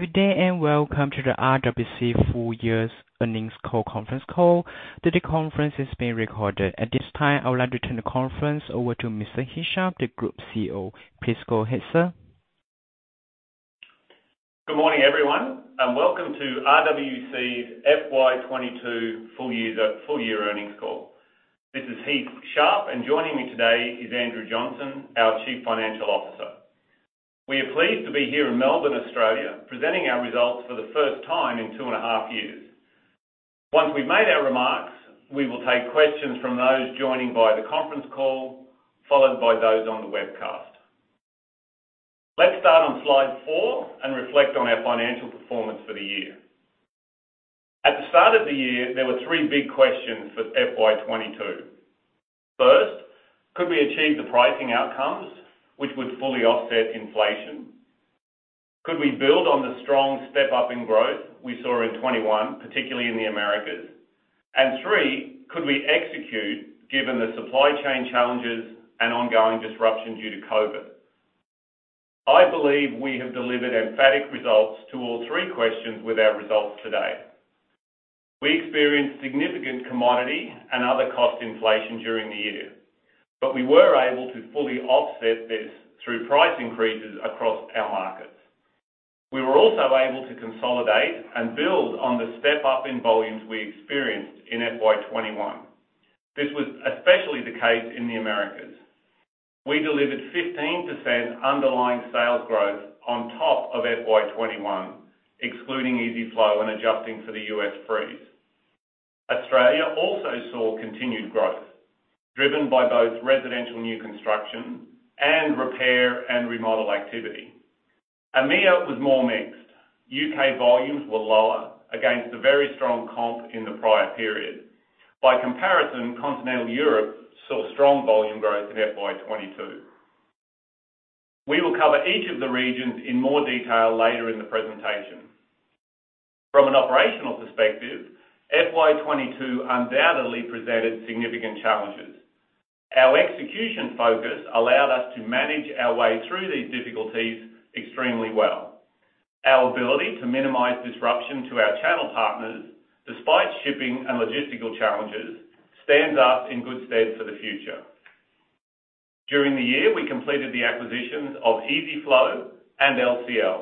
Good day and welcome to the RWC Full Year Earnings Call conference call. Today's conference is being recorded. At this time, I would like to turn the conference over to Mr. Heath Sharp, the Group CEO. Please go ahead, sir. Good morning, everyone, and welcome to RWC's FY 2022 full year earnings call. This is Heath Sharp, and joining me today is Andrew Johnson, our Chief Financial Officer. We are pleased to be here in Melbourne, Australia, presenting our results for the first time in two and a half years. Once we've made our remarks, we will take questions from those joining via the conference call, followed by those on the webcast. Let's start on slide 4 and reflect on our financial performance for the year. At the start of the year, there were three big questions for FY 2022. First, could we achieve the pricing outcomes which would fully offset inflation? Could we build on the strong step-up in growth we saw in 2021, particularly in the Americas? Three, could we execute given the supply chain challenges and ongoing disruption due to COVID? I believe we have delivered emphatic results to all three questions with our results today. We experienced significant commodity and other cost inflation during the year, but we were able to fully offset this through price increases across our markets. We were also able to consolidate and build on the step-up in volumes we experienced in FY 2021. This was especially the case in the Americas. We delivered 15% underlying sales growth on top of FY 2021, excluding EZ-FLO and adjusting for the US freeze. Australia also saw continued growth, driven by both residential new construction and repair and remodel activity. EMEA was more mixed. UK volumes were lower against a very strong comp in the prior period. By comparison, Continental Europe saw strong volume growth in FY 2022. We will cover each of the regions in more detail later in the presentation. From an operational perspective, FY 2022 undoubtedly presented significant challenges. Our execution focus allowed us to manage our way through these difficulties extremely well. Our ability to minimize disruption to our channel partners, despite shipping and logistical challenges, stands us in good stead for the future. During the year, we completed the acquisitions of EZ-FLO and LCL.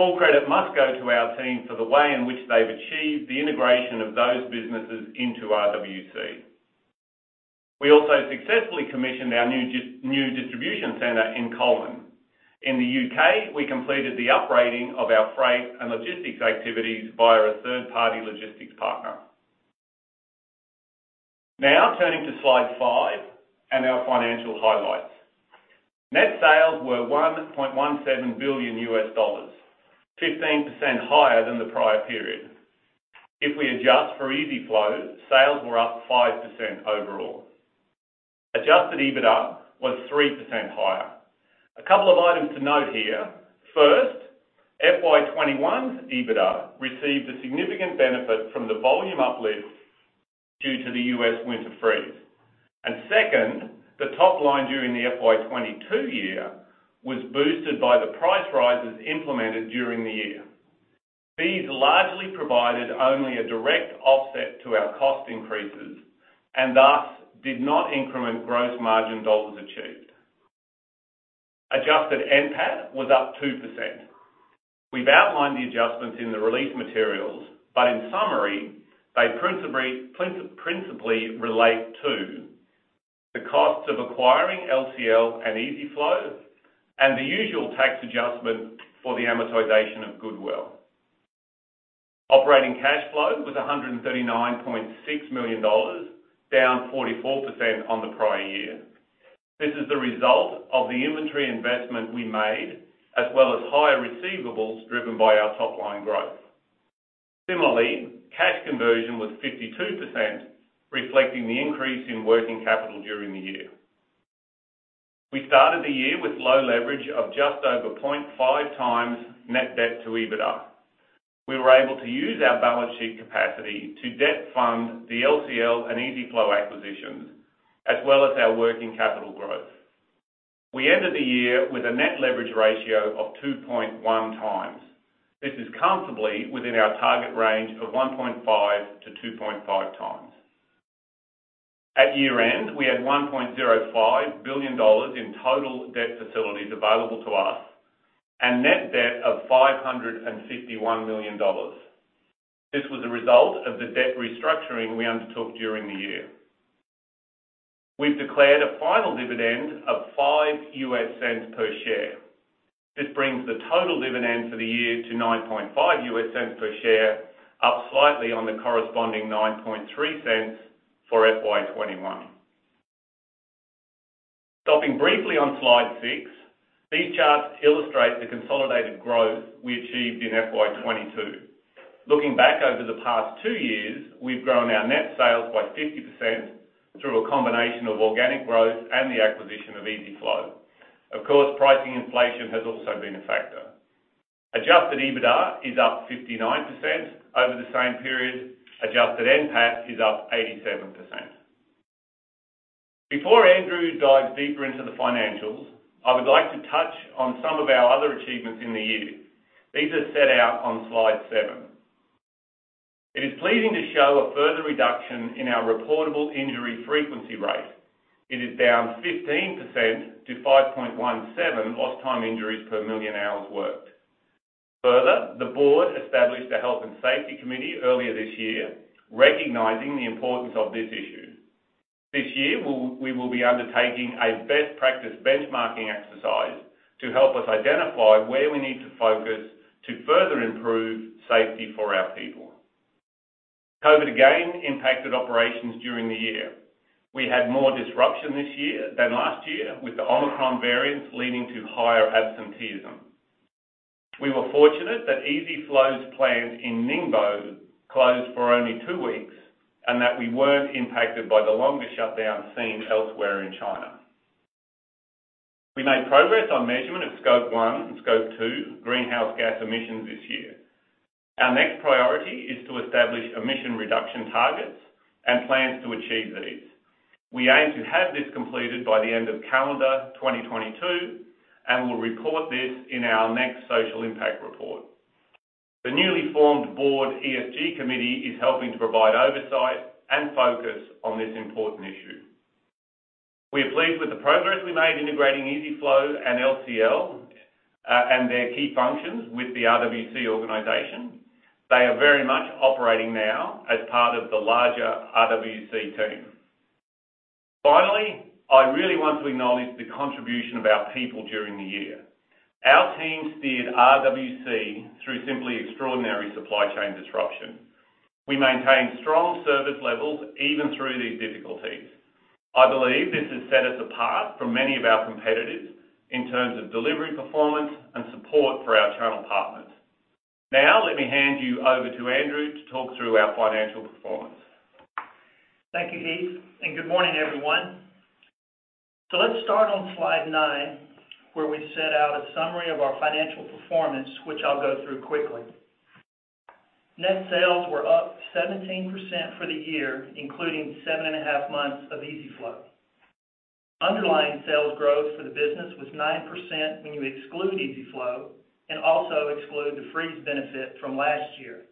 Full credit must go to our team for the way in which they've achieved the integration of those businesses into RWC. We also successfully commissioned our new distribution center in Cullman. In the UK, we completed the uprating of our freight and logistics activities via a third-party logistics partner. Now, turning to slide 5 and our financial highlights. Net sales were $1.17 billion, 15% higher than the prior period. If we adjust for EZ-FLO, sales were up 5% overall. Adjusted EBITDA was 3% higher. A couple of items to note here. First, FY 2021's EBITDA received a significant benefit from the volume uplift due to the US winter freeze. Second, the top line during the FY 2022 year was boosted by the price rises implemented during the year. These largely provided only a direct offset to our cost increases and thus did not increment gross margin dollars achieved. Adjusted NPAT was up 2%. We've outlined the adjustments in the release materials, but in summary, they principally relate to the costs of acquiring LCL and EZ-FLO and the usual tax adjustment for the amortization of goodwill. Operating cash flow was $139.6 million, down 44% on the prior year. This is the result of the inventory investment we made, as well as higher receivables driven by our top line growth. Similarly, cash conversion was 52%, reflecting the increase in working capital during the year. We started the year with low leverage of just over 0.5x net debt to EBITDA. We were able to use our balance sheet capacity to debt fund the LCL and EZ-FLO acquisitions, as well as our working capital growth. We ended the year with a net leverage ratio of 2.1x. This is comfortably within our target range of 1.5x-2.5x. At year-end, we had $1.05 billion in total debt facilities available to us and net debt of $551 million. This was a result of the debt restructuring we undertook during the year. We've declared a final dividend of $0.05 per share. This brings the total dividend for the year to $0.095 per share, up slightly on the corresponding $0.093 for FY 2021. Stopping briefly on slide 6, these charts illustrate the consolidated growth we achieved in FY 2022. Looking back over the past two years, we've grown our net sales by 50% through a combination of organic growth and the acquisition of EZ-FLO. Of course, pricing inflation has also been a factor. Adjusted EBITDA is up 59% over the same period. Adjusted NPAT is up 87%. Before Andrew dives deeper into the financials, I would like to touch on some of our other achievements in the year. These are set out on slide 7. It is pleasing to show a further reduction in our reportable injury frequency rate. It is down 15% to 5.17 lost time injuries per 1,000,000 hours worked. Further, the board established a health and safety committee earlier this year, recognizing the importance of this issue. This year, we will be undertaking a best practice benchmarking exercise to help us identify where we need to focus to further improve safety for our people. COVID again impacted operations during the year. We had more disruption this year than last year, with the Omicron variant leading to higher absenteeism. We were fortunate that EZ-FLO's plant in Ningbo closed for only 2 weeks and that we weren't impacted by the longer shutdown seen elsewhere in China. We made progress on measurement of Scope 1 and Scope 2 greenhouse gas emissions this year. Our next priority is to establish emission reduction targets and plans to achieve these. We aim to have this completed by the end of calendar 2022, and we'll report this in our next social impact report. The newly formed board ESG committee is helping to provide oversight and focus on this important issue. We are pleased with the progress we made integrating EZ-FLO and LCL and their key functions with the RWC organization. They are very much operating now as part of the larger RWC team. Finally, I really want to acknowledge the contribution of our people during the year. Our team steered RWC through simply extraordinary supply chain disruption. We maintained strong service levels even through these difficulties. I believe this has set us apart from many of our competitors in terms of delivery performance and support for our channel partners. Now, let me hand you over to Andrew to talk through our financial performance. Thank you, Heath, and good morning, everyone. Let's start on slide nine, where we set out a summary of our financial performance, which I'll go through quickly. Net sales were up 17% for the year, including 7.5 months of EZ-FLO. Underlying sales growth for the business was 9% when you exclude EZ-FLO and also exclude the FX benefit from last year.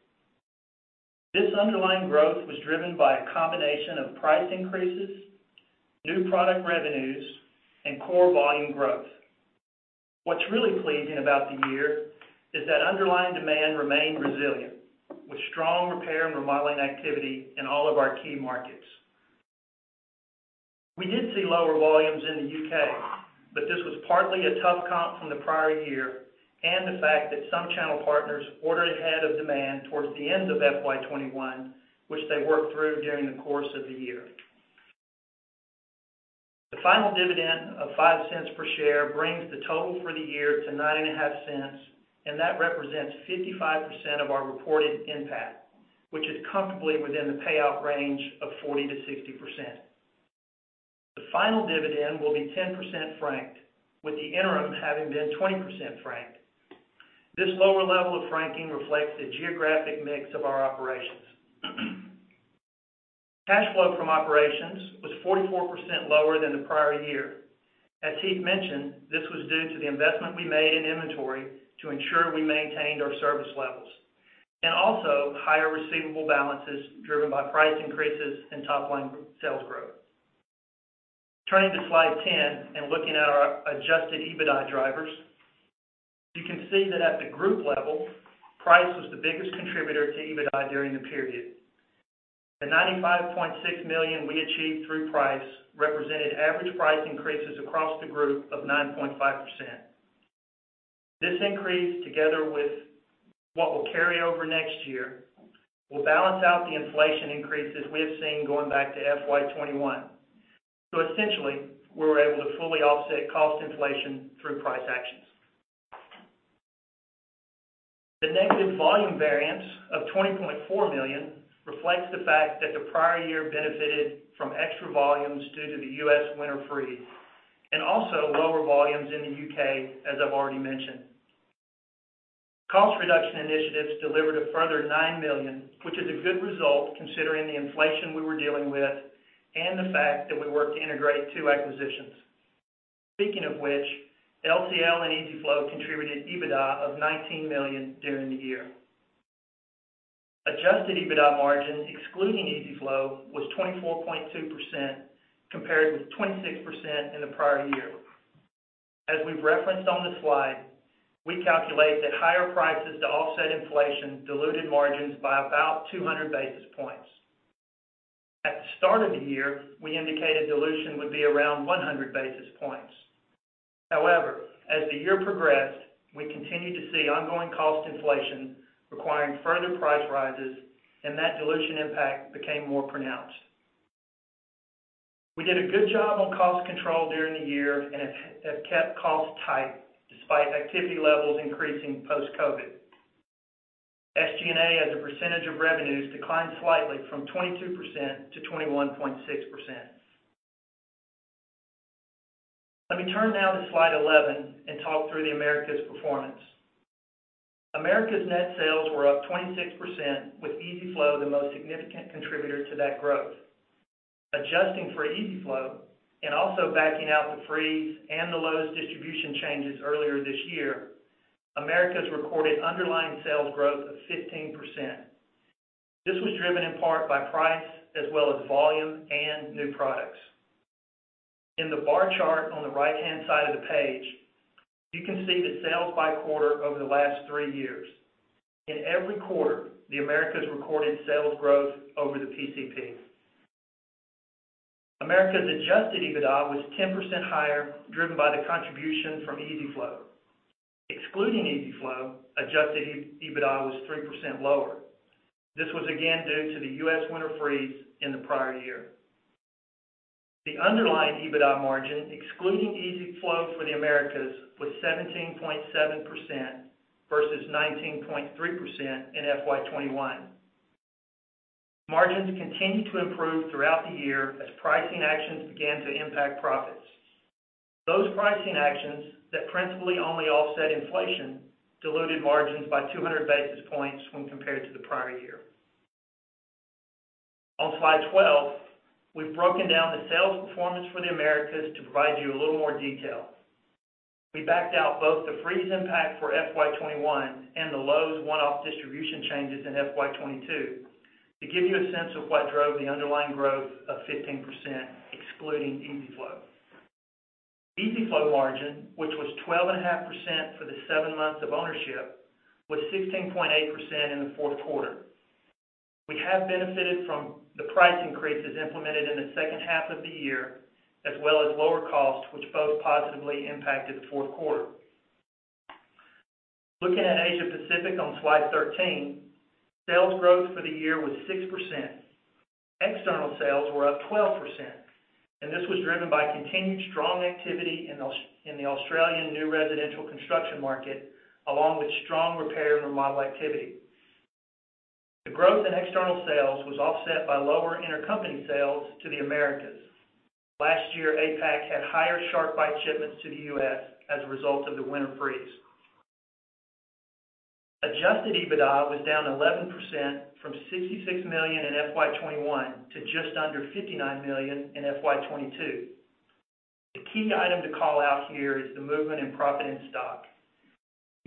This underlying growth was driven by a combination of price increases, new product revenues, and core volume growth. What's really pleasing about the year is that underlying demand remained resilient, with strong repair and remodeling activity in all of our key markets. We did see lower volumes in the U.K., but this was partly a tough comp from the prior year and the fact that some channel partners ordered ahead of demand towards the end of FY 2021, which they worked through during the course of the year. The final dividend of 0.05 per share brings the total for the year to 0.095, and that represents 55% of our reported NPAT, which is comfortably within the payout range of 40%-60%. The final dividend will be 10% franked, with the interim having been 20% franked. This lower level of franking reflects the geographic mix of our operations. Cash flow from operations was 44% lower than the prior year. As Heath mentioned, this was due to the investment we made in inventory to ensure we maintained our service levels, and also higher receivable balances driven by price increases and top-line sales growth. Turning to slide 10 and looking at our Adjusted EBITDA drivers, you can see that at the group level, price was the biggest contributor to EBITDA during the period. The $95.6 million we achieved through price represented average price increases across the group of 9.5%. This increase, together with what we'll carry over next year, will balance out the inflation increases we have seen going back to FY 2021. Essentially, we were able to fully offset cost inflation through price actions. The negative volume variance of 20.4 million reflects the fact that the prior year benefited from extra volumes due to the U.S. winter freeze and also lower volumes in the U.K., as I've already mentioned. Cost reduction initiatives delivered a further 9 million, which is a good result considering the inflation we were dealing with and the fact that we worked to integrate two acquisitions. Speaking of which, LCL and EZ-FLO contributed EBITDA of 19 million during the year. Adjusted EBITDA margin, excluding EZ-FLO, was 24.2% compared with 26% in the prior year. As we've referenced on the slide, we calculate that higher prices to offset inflation diluted margins by about 200 basis points. At the start of the year, we indicated dilution would be around 100 basis points. However, as the year progressed, we continued to see ongoing cost inflation requiring further price rises, and that dilution impact became more pronounced. We did a good job on cost control during the year and have kept costs tight despite activity levels increasing post-COVID. SG&A, as a percentage of revenues, declined slightly from 22% to 21.6%. Let me turn now to slide 11 and talk through the Americas performance. Americas net sales were up 26%, with EZ-FLO the most significant contributor to that growth. Adjusting for EZ-FLO and also backing out the freeze and the Lowe's distribution changes earlier this year, Americas recorded underlying sales growth of 15%. This was driven in part by price as well as volume and new products. In the bar chart on the right-hand side of the page, you can see the sales by quarter over the last three years. In every quarter, the Americas recorded sales growth over the PCP. Americas Adjusted EBITDA was 10% higher, driven by the contribution from EZ-FLO. Excluding EZ-FLO, Adjusted EBITDA was 3% lower. This was again due to the US winter freeze in the prior year. The underlying EBITDA margin, excluding EZ-FLO for the Americas, was 17.7% versus 19.3% in FY 2021. Margins continued to improve throughout the year as pricing actions began to impact profits. Those pricing actions that principally only offset inflation diluted margins by 200 basis points when compared to the prior year. On slide 12, we've broken down the sales performance for the Americas to provide you a little more detail. We backed out both the freeze impact for FY 2021 and the Lowe's one-off distribution changes in FY 2022 to give you a sense of what drove the underlying growth of 15% excluding EZ-FLO. EZ-FLO margin, which was 12.5% for the 7 months of ownership, was 16.8% in the fourth quarter. We have benefited from the price increases implemented in the second half of the year, as well as lower costs, which both positively impacted the fourth quarter. Looking at Asia Pacific on slide 13, sales growth for the year was 6%. External sales were up 12%, and this was driven by continued strong activity in the Australian new residential construction market, along with strong repair and remodel activity. The growth in external sales was offset by lower intercompany sales to the Americas. Last year, APAC had higher SharkBite shipments to the US as a result of the winter freeze. Adjusted EBITDA was down 11% from $66 million in FY 2021 to just under $59 million in FY 2022. The key item to call out here is the movement in provision and stock.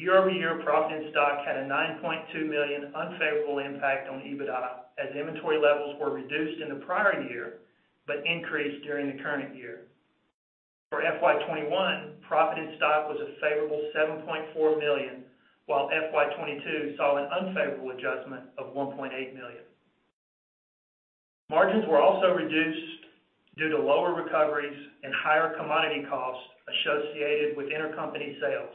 Year-over-year provision and stock had a $9.2 million unfavorable impact on EBITDA as inventory levels were reduced in the prior year, but increased during the current year. For FY 2021, provision in stock was a favorable $7.4 million, while FY 2022 saw an unfavorable adjustment of $1.8 million. Margins were also reduced due to lower recoveries and higher commodity costs associated with intercompany sales.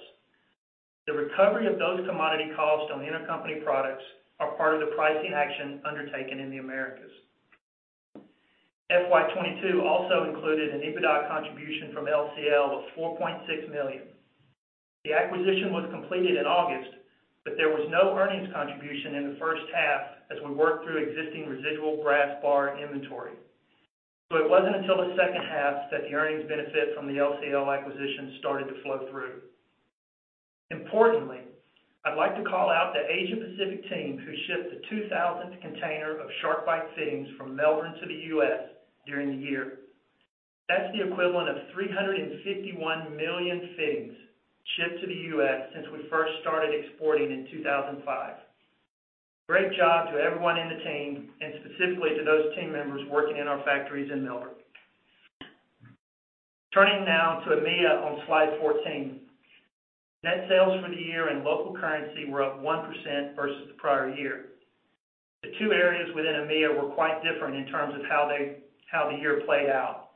The recovery of those commodity costs on the intercompany products are part of the pricing action undertaken in the Americas. FY 2022 also included an EBITDA contribution from LCL of 4.6 million. The acquisition was completed in August, but there was no earnings contribution in the first half as we worked through existing residual brass bar inventory. It wasn't until the second half that the earnings benefit from the LCL acquisition started to flow through. Importantly, I'd like to call out the Asia Pacific team who shipped the 2,000th container of SharkBite fittings from Melbourne to the U.S. during the year. That's the equivalent of 351 million fittings shipped to the U.S. since we first started exporting in 2005. Great job to everyone in the team, and specifically to those team members working in our factories in Melbourne. Turning now to EMEA on slide 14. Net sales for the year in local currency were up 1% versus the prior year. The two areas within EMEA were quite different in terms of how the year played out.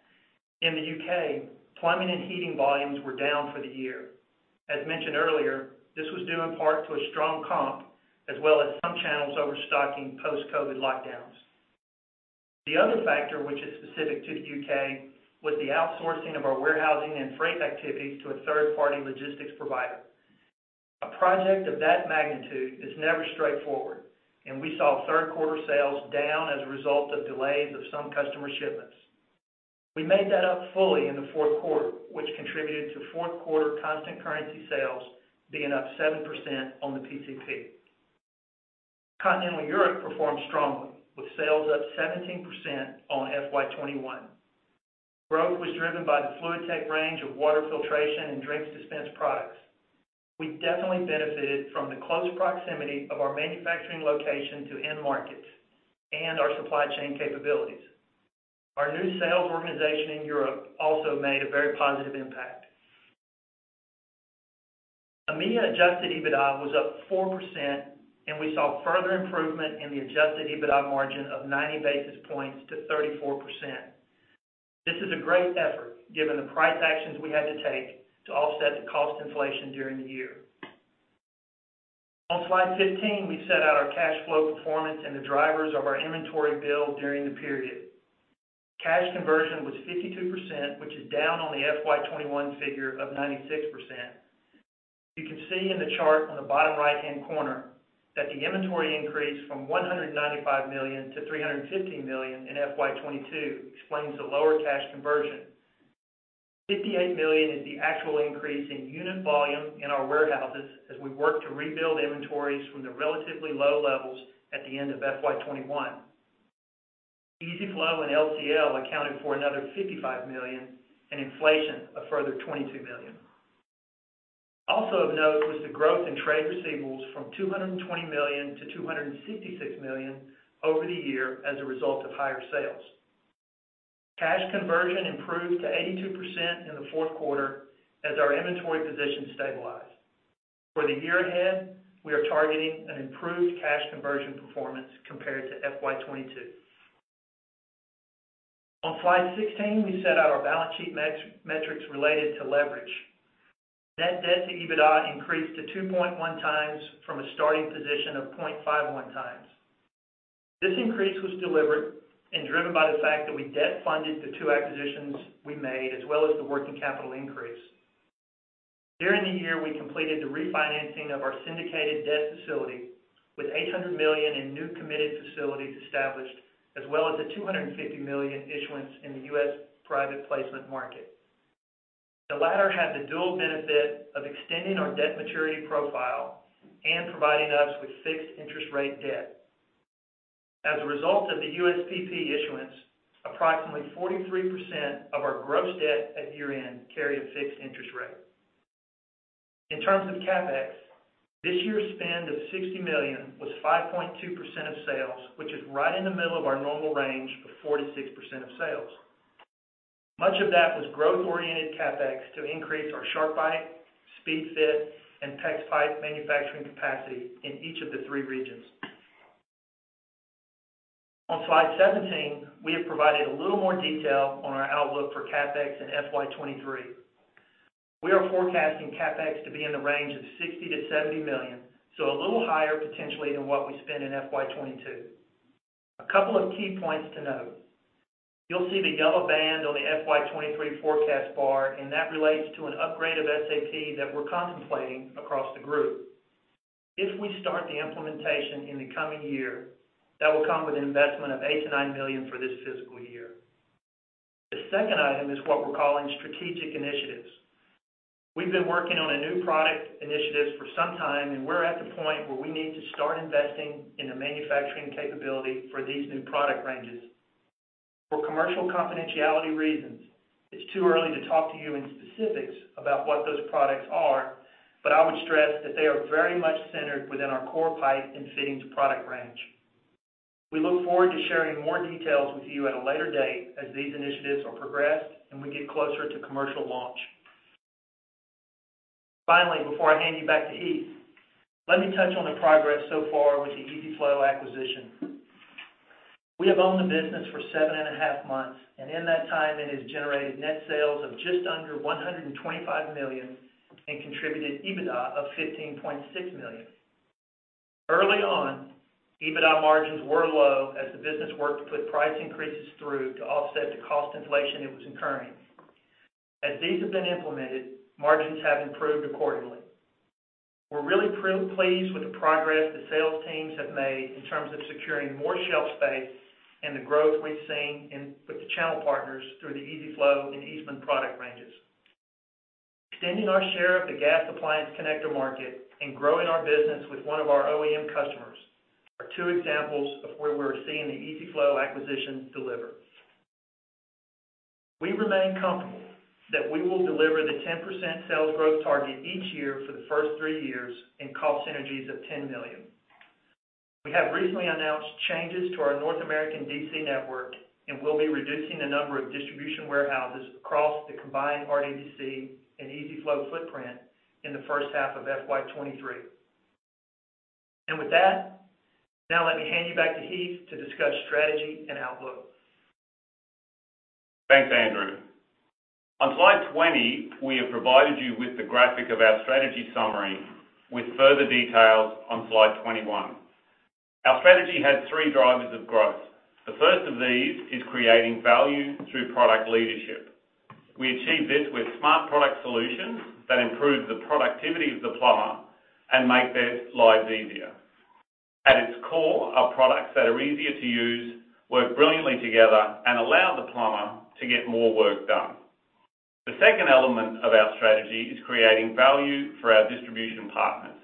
In the UK, plumbing and heating volumes were down for the year. As mentioned earlier, this was due in part to a strong comp as well as some channels overstocking post-COVID lockdowns. The other factor which is specific to the UK, was the outsourcing of our warehousing and freight activities to a third-party logistics provider. A project of that magnitude is never straightforward, and we saw third quarter sales down as a result of delays of some customer shipments. We made that up fully in the fourth quarter, which contributed to fourth quarter constant currency sales being up 7% on the PCP. Continental Europe performed strongly with sales up 17% on FY 2021. Growth was driven by the FluidTech range of water filtration and drinks dispense products. We definitely benefited from the close proximity of our manufacturing location to end markets and our supply chain capabilities. Our new sales organization in Europe also made a very positive impact. EMEA Adjusted EBITDA was up 4%, and we saw further improvement in the Adjusted EBITDA margin of 90 basis points to 34%. This is a great effort given the price actions we had to take to offset the cost inflation during the year. On slide 15, we set out our cash flow performance and the drivers of our inventory build during the period. Cash conversion was 52%, which is down on the FY 2021 figure of 96%. You can see in the chart on the bottom right-hand corner that the inventory increase from 195 million to 350 million in FY 2022 explains the lower cash conversion. $58 million is the actual increase in unit volume in our warehouses as we work to rebuild inventories from the relatively low levels at the end of FY 2021. EZ-FLO and LCL accounted for another $55 million, and inflation a further $22 million. Also of note was the growth in trade receivables from $220 million to $266 million over the year as a result of higher sales. Cash conversion improved to 82% in the fourth quarter as our inventory position stabilized. For the year ahead, we are targeting an improved cash conversion performance compared to FY 2022. On slide 16, we set out our balance sheet metrics related to leverage. Net debt to EBITDA increased to 2.1x from a starting position of 0.51x. This increase was delivered and driven by the fact that we debt-funded the two acquisitions we made, as well as the working capital increase. During the year, we completed the refinancing of our syndicated debt facility with 800 million in new committed facilities established, as well as a 250 million issuance in the US private placement market. The latter had the dual benefit of extending our debt maturity profile and providing us with fixed interest rate debt. As a result of the USPP issuance, approximately 43% of our gross debt at year-end carry a fixed interest rate. In terms of CapEx, this year's spend of 60 million was 5.2% of sales, which is right in the middle of our normal range of 4%-6% of sales. Much of that was growth-oriented CapEx to increase our SharkBite, JG Speedfit, and PEX pipe manufacturing capacity in each of the three regions. On slide 17, we have provided a little more detail on our outlook for CapEx in FY 2023. We are forecasting CapEx to be in the range of 60-70 million, so a little higher potentially than what we spent in FY 2022. A couple of key points to note. You'll see the yellow band on the FY 2023 forecast bar, and that relates to an upgrade of SAP that we're contemplating across the group. If we start the implementation in the coming year, that will come with an investment of 8-9 million for this fiscal year. The second item is what we're calling strategic initiatives. We've been working on new product initiatives for some time, and we're at the point where we need to start investing in the manufacturing capability for these new product ranges. For commercial confidentiality reasons, it's too early to talk to you in specifics about what those products are, but I would stress that they are very much centered within our core pipe and fittings product range. We look forward to sharing more details with you at a later date as these initiatives are progressed and we get closer to commercial launch. Finally, before I hand you back to Heath, let me touch on the progress so far with the EZ-FLO acquisition. We have owned the business for seven and a half months, and in that time it has generated net sales of just under 125 million and contributed EBITDA of 15.6 million. Early on, EBITDA margins were low as the business worked to put price increases through to offset the cost inflation it was incurring. As these have been implemented, margins have improved accordingly. We're really pleased with the progress the sales teams have made in terms of securing more shelf space and the growth we've seen in with the channel partners through the EZ-FLO and Eastman product ranges. Extending our share of the gas appliance connector market and growing our business with one of our OEM customers are two examples of where we're seeing the EZ-FLO acquisition deliver. We remain comfortable that we will deliver the 10% sales growth target each year for the first three years in cost synergies of 10 million. We have recently announced changes to our North American DC network, and we'll be reducing the number of distribution warehouses across the combined RWC and EZ-FLO footprint in the first half of FY 2023. With that, now let me hand you back to Heath to discuss strategy and outlook. Thanks, Andrew. On slide 20, we have provided you with the graphic of our strategy summary with further details on slide 21. Our strategy has three drivers of growth. The first of these is creating value through product leadership. We achieve this with smart product solutions that improve the productivity of the plumber and make their lives easier. At its core are products that are easier to use, work brilliantly together, and allow the plumber to get more work done. The second element of our strategy is creating value for our distribution partners.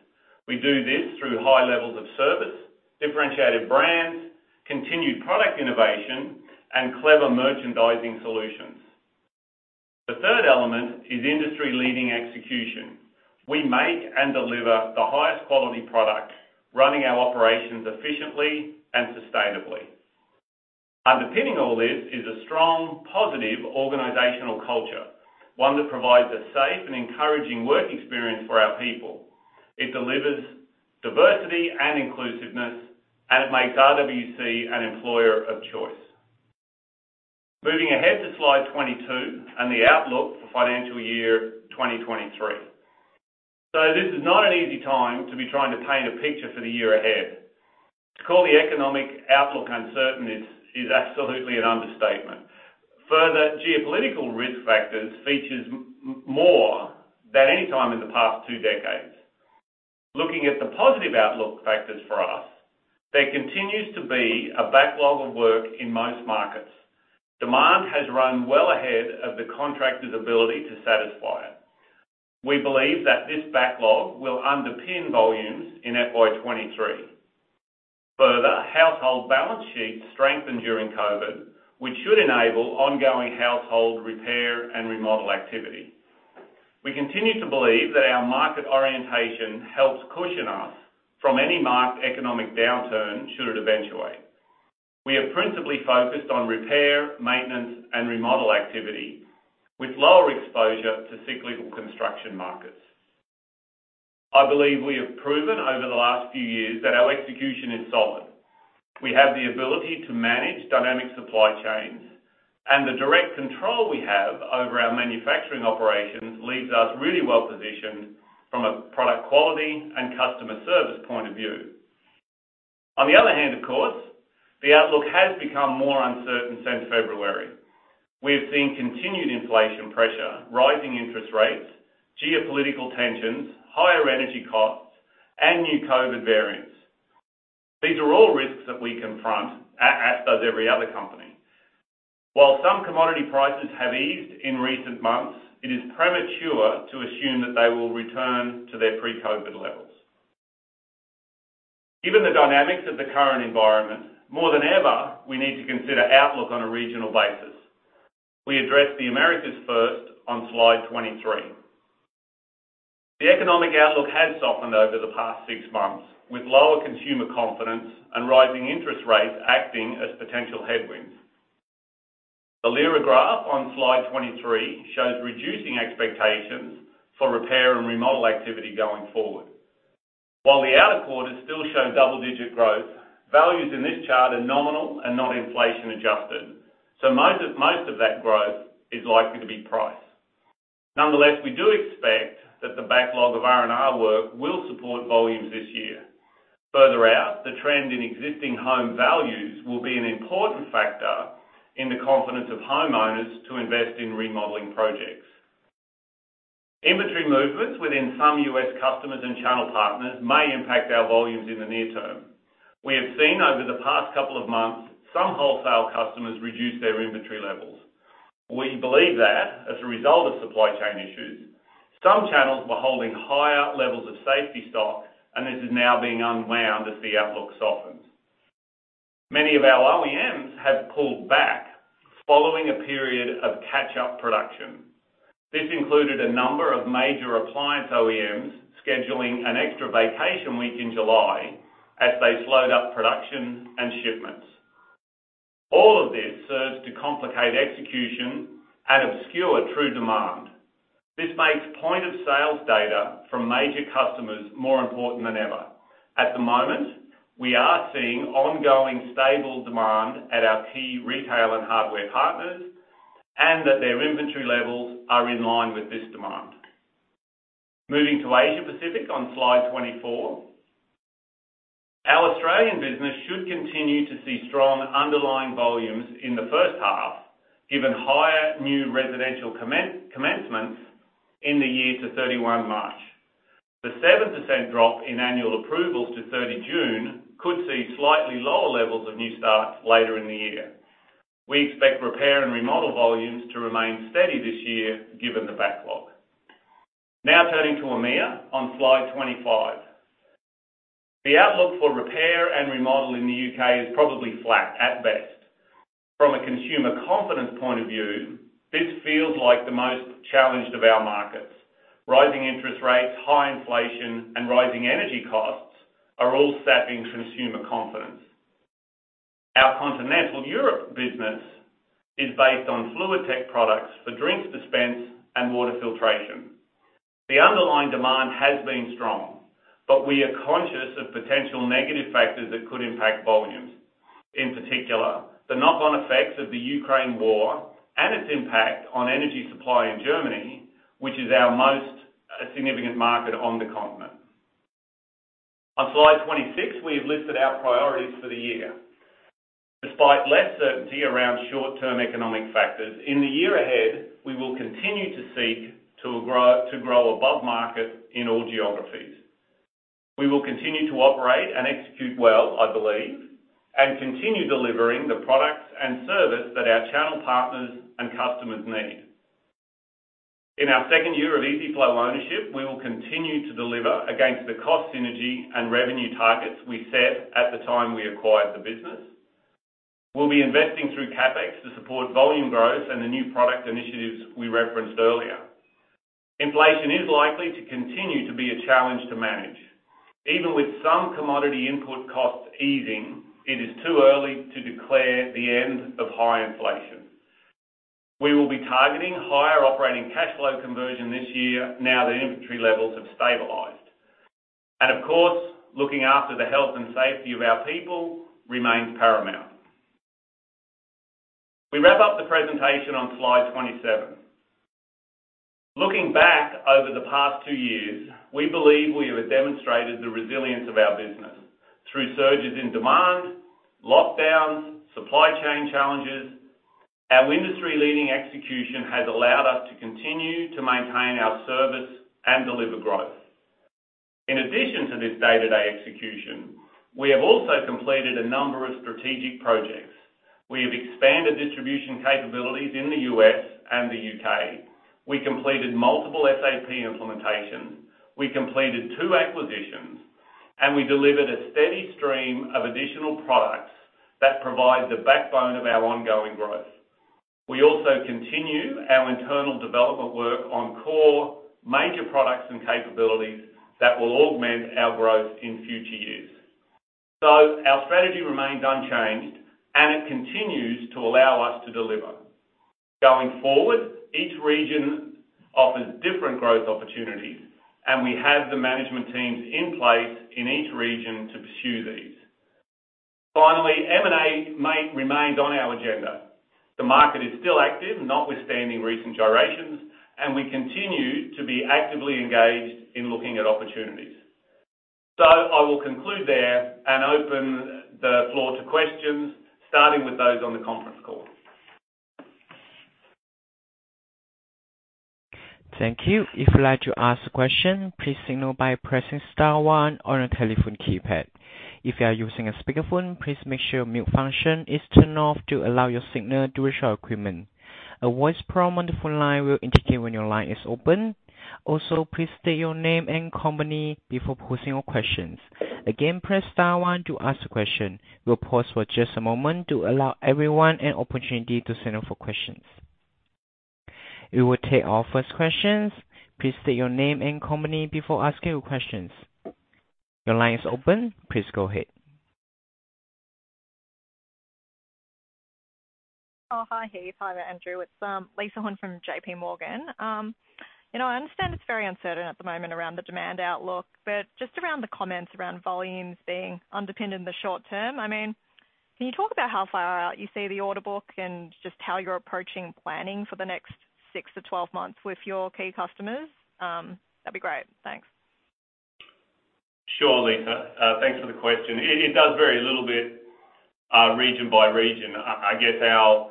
We do this through high levels of service, differentiated brands, continued product innovation, and clever merchandising solutions. The third element is industry-leading execution. We make and deliver the highest quality products, running our operations efficiently and sustainably. Underpinning all this is a strong, positive organizational culture, one that provides a safe and encouraging work experience for our people. It delivers diversity and inclusiveness, and it makes RWC an employer of choice. Moving ahead to slide 22 and the outlook for financial year 2023. This is not an easy time to be trying to paint a picture for the year ahead. To call the economic outlook uncertain is absolutely an understatement. Further geopolitical risk factors feature more than any time in the past two decades. Looking at the positive outlook factors for us, there continues to be a backlog of work in most markets. Demand has run well ahead of the contractor's ability to satisfy it. We believe that this backlog will underpin volumes in FY 2023. Further, household balance sheets strengthened during COVID, which should enable ongoing household repair and remodel activity. We continue to believe that our market orientation helps cushion us from any marked economic downturn should it eventuate. We are principally focused on repair, maintenance, and remodel activity with lower exposure to cyclical construction markets. I believe we have proven over the last few years that our execution is solid. We have the ability to manage dynamic supply chains and the direct control we have over our manufacturing operations leaves us really well positioned from a product quality and customer service point of view. On the other hand, of course, the outlook has become more uncertain since February. We have seen continued inflation pressure, rising interest rates, geopolitical tensions, higher energy costs, and new COVID variants. These are all risks that we confront as does every other company. While some commodity prices have eased in recent months, it is premature to assume that they will return to their pre-COVID levels. Given the dynamics of the current environment, more than ever, we need to consider outlook on a regional basis. We address the Americas first on slide 23. The economic outlook has softened over the past six months with lower consumer confidence and rising interest rates acting as potential headwinds. The LIRA graph on slide 23 shows reducing expectations for repair and remodel activity going forward. While the outer quarters still show double-digit growth, values in this chart are nominal and not inflation adjusted, so most of that growth is likely to be price. Nonetheless, we do expect that the backlog of R&R work will support volumes this year. Further out, the trend in existing home values will be an important factor in the confidence of homeowners to invest in remodeling projects. Inventory movements within some U.S. customers and channel partners may impact our volumes in the near term. We have seen over the past couple of months, some wholesale customers reduce their inventory levels. We believe that as a result of supply chain issues, some channels were holding higher levels of safety stock, and this is now being unwound as the outlook softens. Many of our OEMs have pulled back following a period of catch-up production. This included a number of major appliance OEMs scheduling an extra vacation week in July as they slowed up production and shipments. All of this serves to complicate execution and obscure true demand. This makes point-of-sale data from major customers more important than ever. At the moment, we are seeing ongoing stable demand at our key retail and hardware partners, and that their inventory levels are in line with this demand. Moving to Asia-Pacific on slide 24. Our Australian business should continue to see strong underlying volumes in the first half, given higher new residential commencements in the year to 31 March. The 7% drop in annual approvals to 30 June could see slightly lower levels of new starts later in the year. We expect repair and remodel volumes to remain steady this year given the backlog. Now turning to EMEA on slide 25. The outlook for repair and remodel in the UK is probably flat at best. From a consumer confidence point of view, this feels like the most challenged of our markets. Rising interest rates, high inflation, and rising energy costs are all sapping consumer confidence. Our continental Europe business is based on Fluidtech products for drinks dispense and water filtration. The underlying demand has been strong, but we are conscious of potential negative factors that could impact volumes. In particular, the knock-on effects of the Ukraine war and its impact on energy supply in Germany, which is our most significant market on the continent. On slide 26, we have listed our priorities for the year. Despite less certainty around short-term economic factors, in the year ahead, we will continue to seek to grow above market in all geographies. We will continue to operate and execute well, I believe, and continue delivering the products and service that our channel partners and customers need. In our second year of EZ-FLO ownership, we will continue to deliver against the cost synergy and revenue targets we set at the time we acquired the business. We'll be investing through CapEx to support volume growth and the new product initiatives we referenced earlier. Inflation is likely to continue to be a challenge to manage. Even with some commodity input costs easing, it is too early to declare the end of high inflation. We will be targeting higher operating cash flow conversion this year now that inventory levels have stabilized. Of course, looking after the health and safety of our people remains paramount. We wrap up the presentation on slide 27. Looking back over the past two years, we believe we have demonstrated the resilience of our business through surges in demand, lockdowns, supply chain challenges. Our industry-leading execution has allowed us to continue to maintain our service and deliver growth. In addition to this day-to-day execution, we have also completed a number of strategic projects. We have expanded distribution capabilities in the U.S. and the U.K. We completed multiple SAP implementations. We completed 2 acquisitions, and we delivered a steady stream of additional products that provide the backbone of our ongoing growth. We also continue our internal development work on core major products and capabilities that will augment our growth in future years. Our strategy remains unchanged, and it continues to allow us to deliver. Going forward, each region offers different growth opportunities, and we have the management teams in place in each region to pursue these. Finally, M&A might remain on our agenda. The market is still active, notwithstanding recent gyrations, and we continue to be actively engaged in looking at opportunities. I will conclude there and open the floor to questions, starting with those on the conference call. Thank you. If you'd like to ask a question, please signal by pressing star one on your telephone keypad. If you are using a speakerphone, please make sure mute function is turned off to allow your signal to reach our equipment. A voice prompt on the phone line will indicate when your line is open. Also, please state your name and company before posing your questions. Again, press star one to ask a question. We'll pause for just a moment to allow everyone an opportunity to sign up for questions. We will take our first questions. Please state your name and company before asking your questions. Your line is open. Please go ahead. Oh, hi Heath. Hi there, Andrew. It's Lisa Huynh from JP Morgan. You know, I understand it's very uncertain at the moment around the demand outlook, but just around the comments around volumes being underpinned in the short term. I mean, can you talk about how far out you see the order book and just how you're approaching planning for the next 6-12 months with your key customers? That'd be great. Thanks. Sure, Lisa. Thanks for the question. It does vary a little bit, region by region. I guess our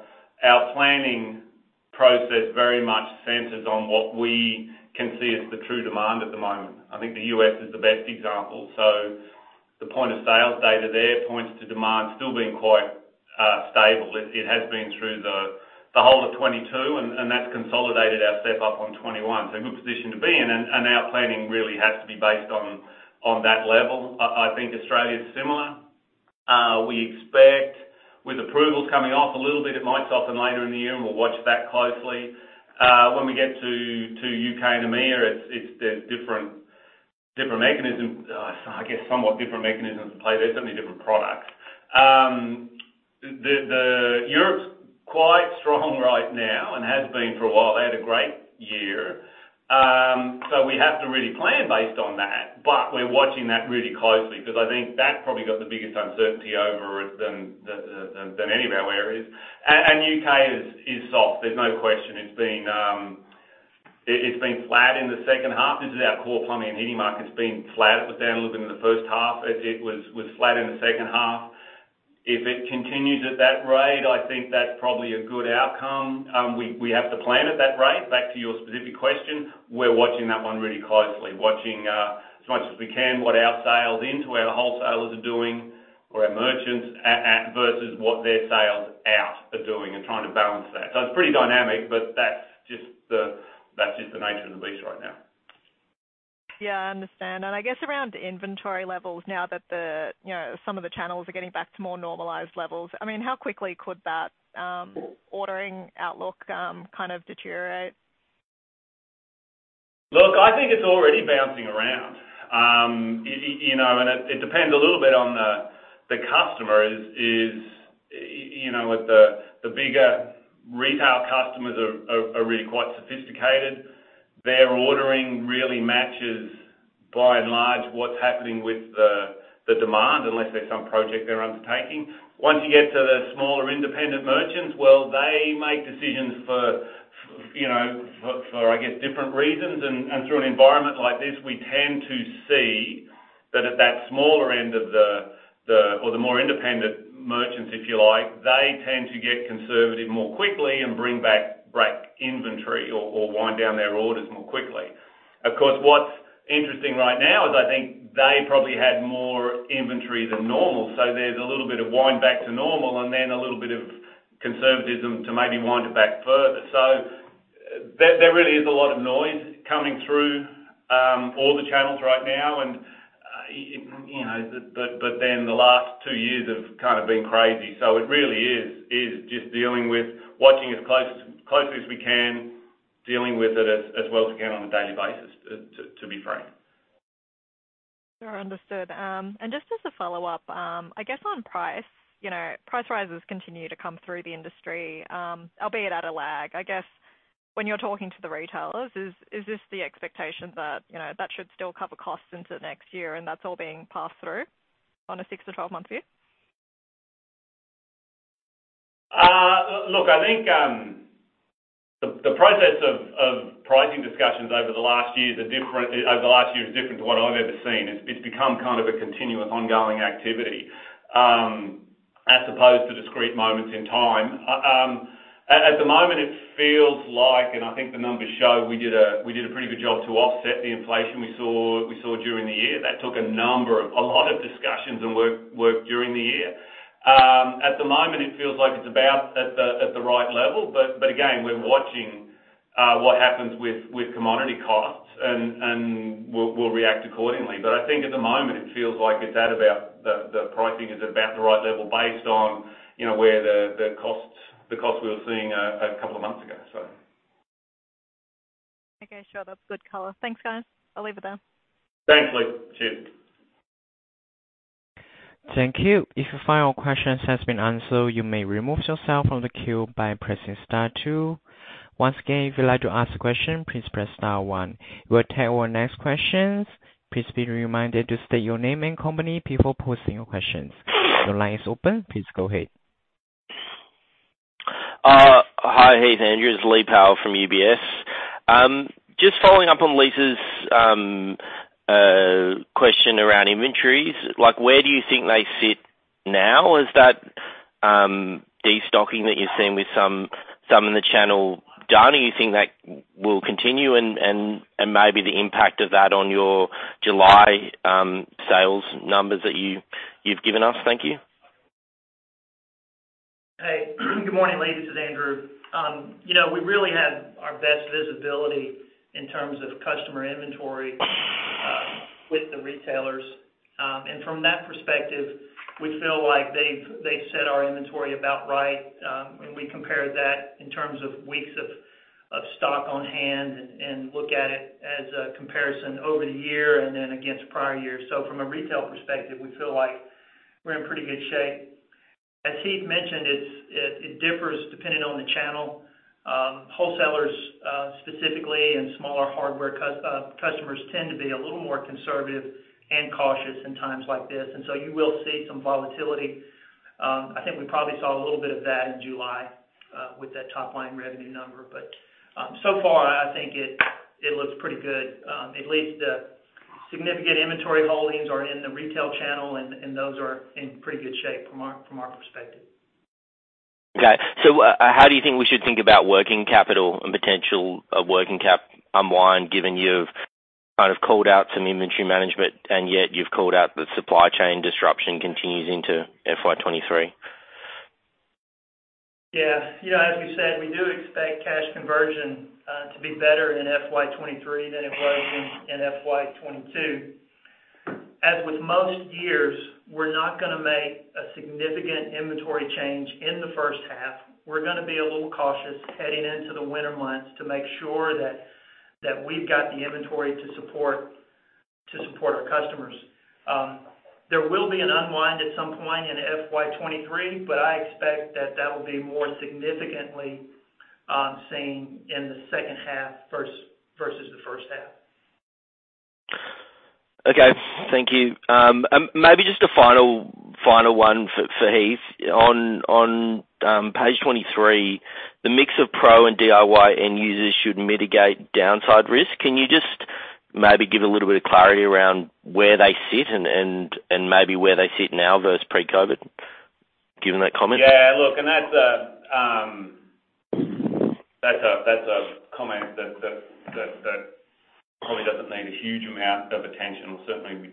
planning process very much centers on what we can see as the true demand at the moment. I think the US is the best example. The point-of-sale data there points to demand still being quite stable. It has been through the whole of 2022 and that's consolidated our step up on 2021. A good position to be in and our planning really has to be based on that level. I think Australia's similar. We expect with approvals coming off a little bit, it might soften later in the year, and we'll watch that closely. When we get to UK and EMEA it's a different mechanism. I guess somewhat different mechanisms at play there, certainly different products. Europe's quite strong right now and has been for a while. They had a great year. We have to really plan based on that, but we're watching that really closely because I think that's probably got the biggest uncertainty over it than the, than any of our areas. UK is soft. There's no question. It's been flat in the second half. This is our core plumbing and heating market. It's been flat. It was down a little bit in the first half. It was flat in the second half. If it continues at that rate, I think that's probably a good outcome. We have to plan at that rate. Back to your specific question, we're watching that one really closely as much as we can what our sales into where the wholesalers are doing or our merchants versus what their sales out are doing and trying to balance that. It's pretty dynamic, but that's just the nature of the beast right now. Yeah, I understand. I guess around inventory levels now that the, you know, some of the channels are getting back to more normalized levels. I mean, how quickly could that, ordering outlook, kind of deteriorate? Look, I think it's already bouncing around. You know, it depends a little bit on the customers, you know what the bigger retail customers are really quite sophisticated. Their ordering really matches by and large, what's happening with the demand unless there's some project they're undertaking. Once you get to the smaller independent merchants, well, they make decisions for you know, for I guess different reasons. Through an environment like this, we tend to see that at that smaller end of the or the more independent merchants, if you like, they tend to get conservative more quickly and bring back inventory or wind down their orders more quickly. Of course, what's interesting right now is I think they probably had more inventory than normal, so there's a little bit of wind back to normal and then a little bit of conservatism to maybe wind it back further. There really is a lot of noise coming through all the channels right now and, you know, but then the last two years have kind of been crazy. It really is just dealing with watching as closely as we can, dealing with it as well as we can on a daily basis to be frank. Sure. Understood. Just as a follow-up, I guess on price, you know, price rises continue to come through the industry, albeit at a lag. I guess. When you're talking to the retailers, is this the expectation that, you know, that should still cover costs into next year and that's all being passed through on a 6 to 12-month view? Look, I think the process of pricing discussions over the last year is different to what I've ever seen. It's become kind of a continuous ongoing activity as opposed to discrete moments in time. At the moment, it feels like, and I think the numbers show, we did a pretty good job to offset the inflation we saw during the year. That took a lot of discussions and work during the year. At the moment, it feels like it's about at the right level. Again, we're watching what happens with commodity costs and we'll react accordingly. I think at the moment it feels like it's at about the pricing is about the right level based on, you know, where the costs we were seeing a couple of months ago, so. Okay, sure. That's good color. Thanks, guys. I'll leave it there. Thanks, Lisa. Cheers. Thank you. If your final question has been answered, you may remove yourself from the queue by pressing star two. Once again, if you'd like to ask a question, please press star one. We'll take our next questions. Please be reminded to state your name and company before posing your questions. Your line is open. Please go ahead. Hi, Heath and Andrew. It's Lee Power from UBS. Just following up on Lisa's question around inventories. Like, where do you think they sit now? Is that destocking that you're seeing with some in the channel done? Do you think that will continue and maybe the impact of that on your July sales numbers that you've given us? Thank you. Hey. Good morning, Lee. It's Andrew. You know, we really have our best visibility in terms of customer inventory with the retailers. From that perspective, we feel like they've set our inventory about right when we compare that in terms of weeks of stock on hand and look at it as a comparison over the year and then against prior years. From a retail perspective, we feel like we're in pretty good shape. As Heath mentioned, it differs depending on the channel. Wholesalers, specifically, and smaller hardware customers tend to be a little more conservative and cautious in times like this. You will see some volatility. I think we probably saw a little bit of that in July with that top line revenue number. So far I think it looks pretty good. At least the significant inventory holdings are in the retail channel, and those are in pretty good shape from our perspective. How do you think we should think about working capital and potential working cap unwind given you've kind of called out some inventory management and yet you've called out the supply chain disruption continues into FY 2023? Yeah. You know, as we said, we do expect cash conversion to be better in FY 2023 than it was in FY 2022. As with most years, we're not gonna make a significant inventory change in the first half. We're gonna be a little cautious heading into the winter months to make sure that we've got the inventory to support our customers. There will be an unwind at some point in FY 2023, but I expect that will be more significantly seen in the second half versus the first half. Okay. Thank you. Maybe just a final one for Heath. On page 23, the mix of pro and DIY end users should mitigate downside risk. Can you just maybe give a little bit of clarity around where they sit and maybe where they sit now versus pre-COVID, given that comment? Yeah. Look, that's a comment that probably doesn't need a huge amount of attention or certainly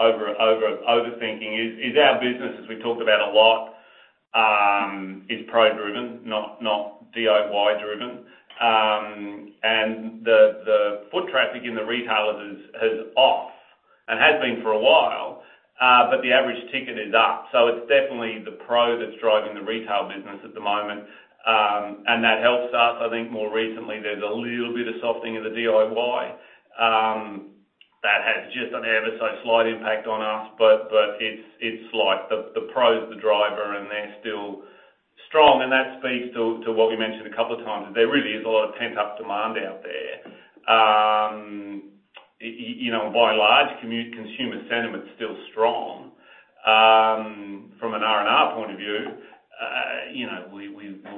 overthinking. Our business, as we talked about a lot, is pro-driven, not DIY-driven. The foot traffic in the retailers is off and has been for a while, but the average ticket is up. It's definitely the pro that's driving the retail business at the moment. That helps us. I think more recently there's a little bit of softening of the DIY that has just an ever so slight impact on us. It's like the pro is the driver and they're still strong, and that speaks to what we mentioned a couple of times. There really is a lot of pent-up demand out there. You know, by and large, consumer sentiment's still strong. From an R&R point of view, you know, we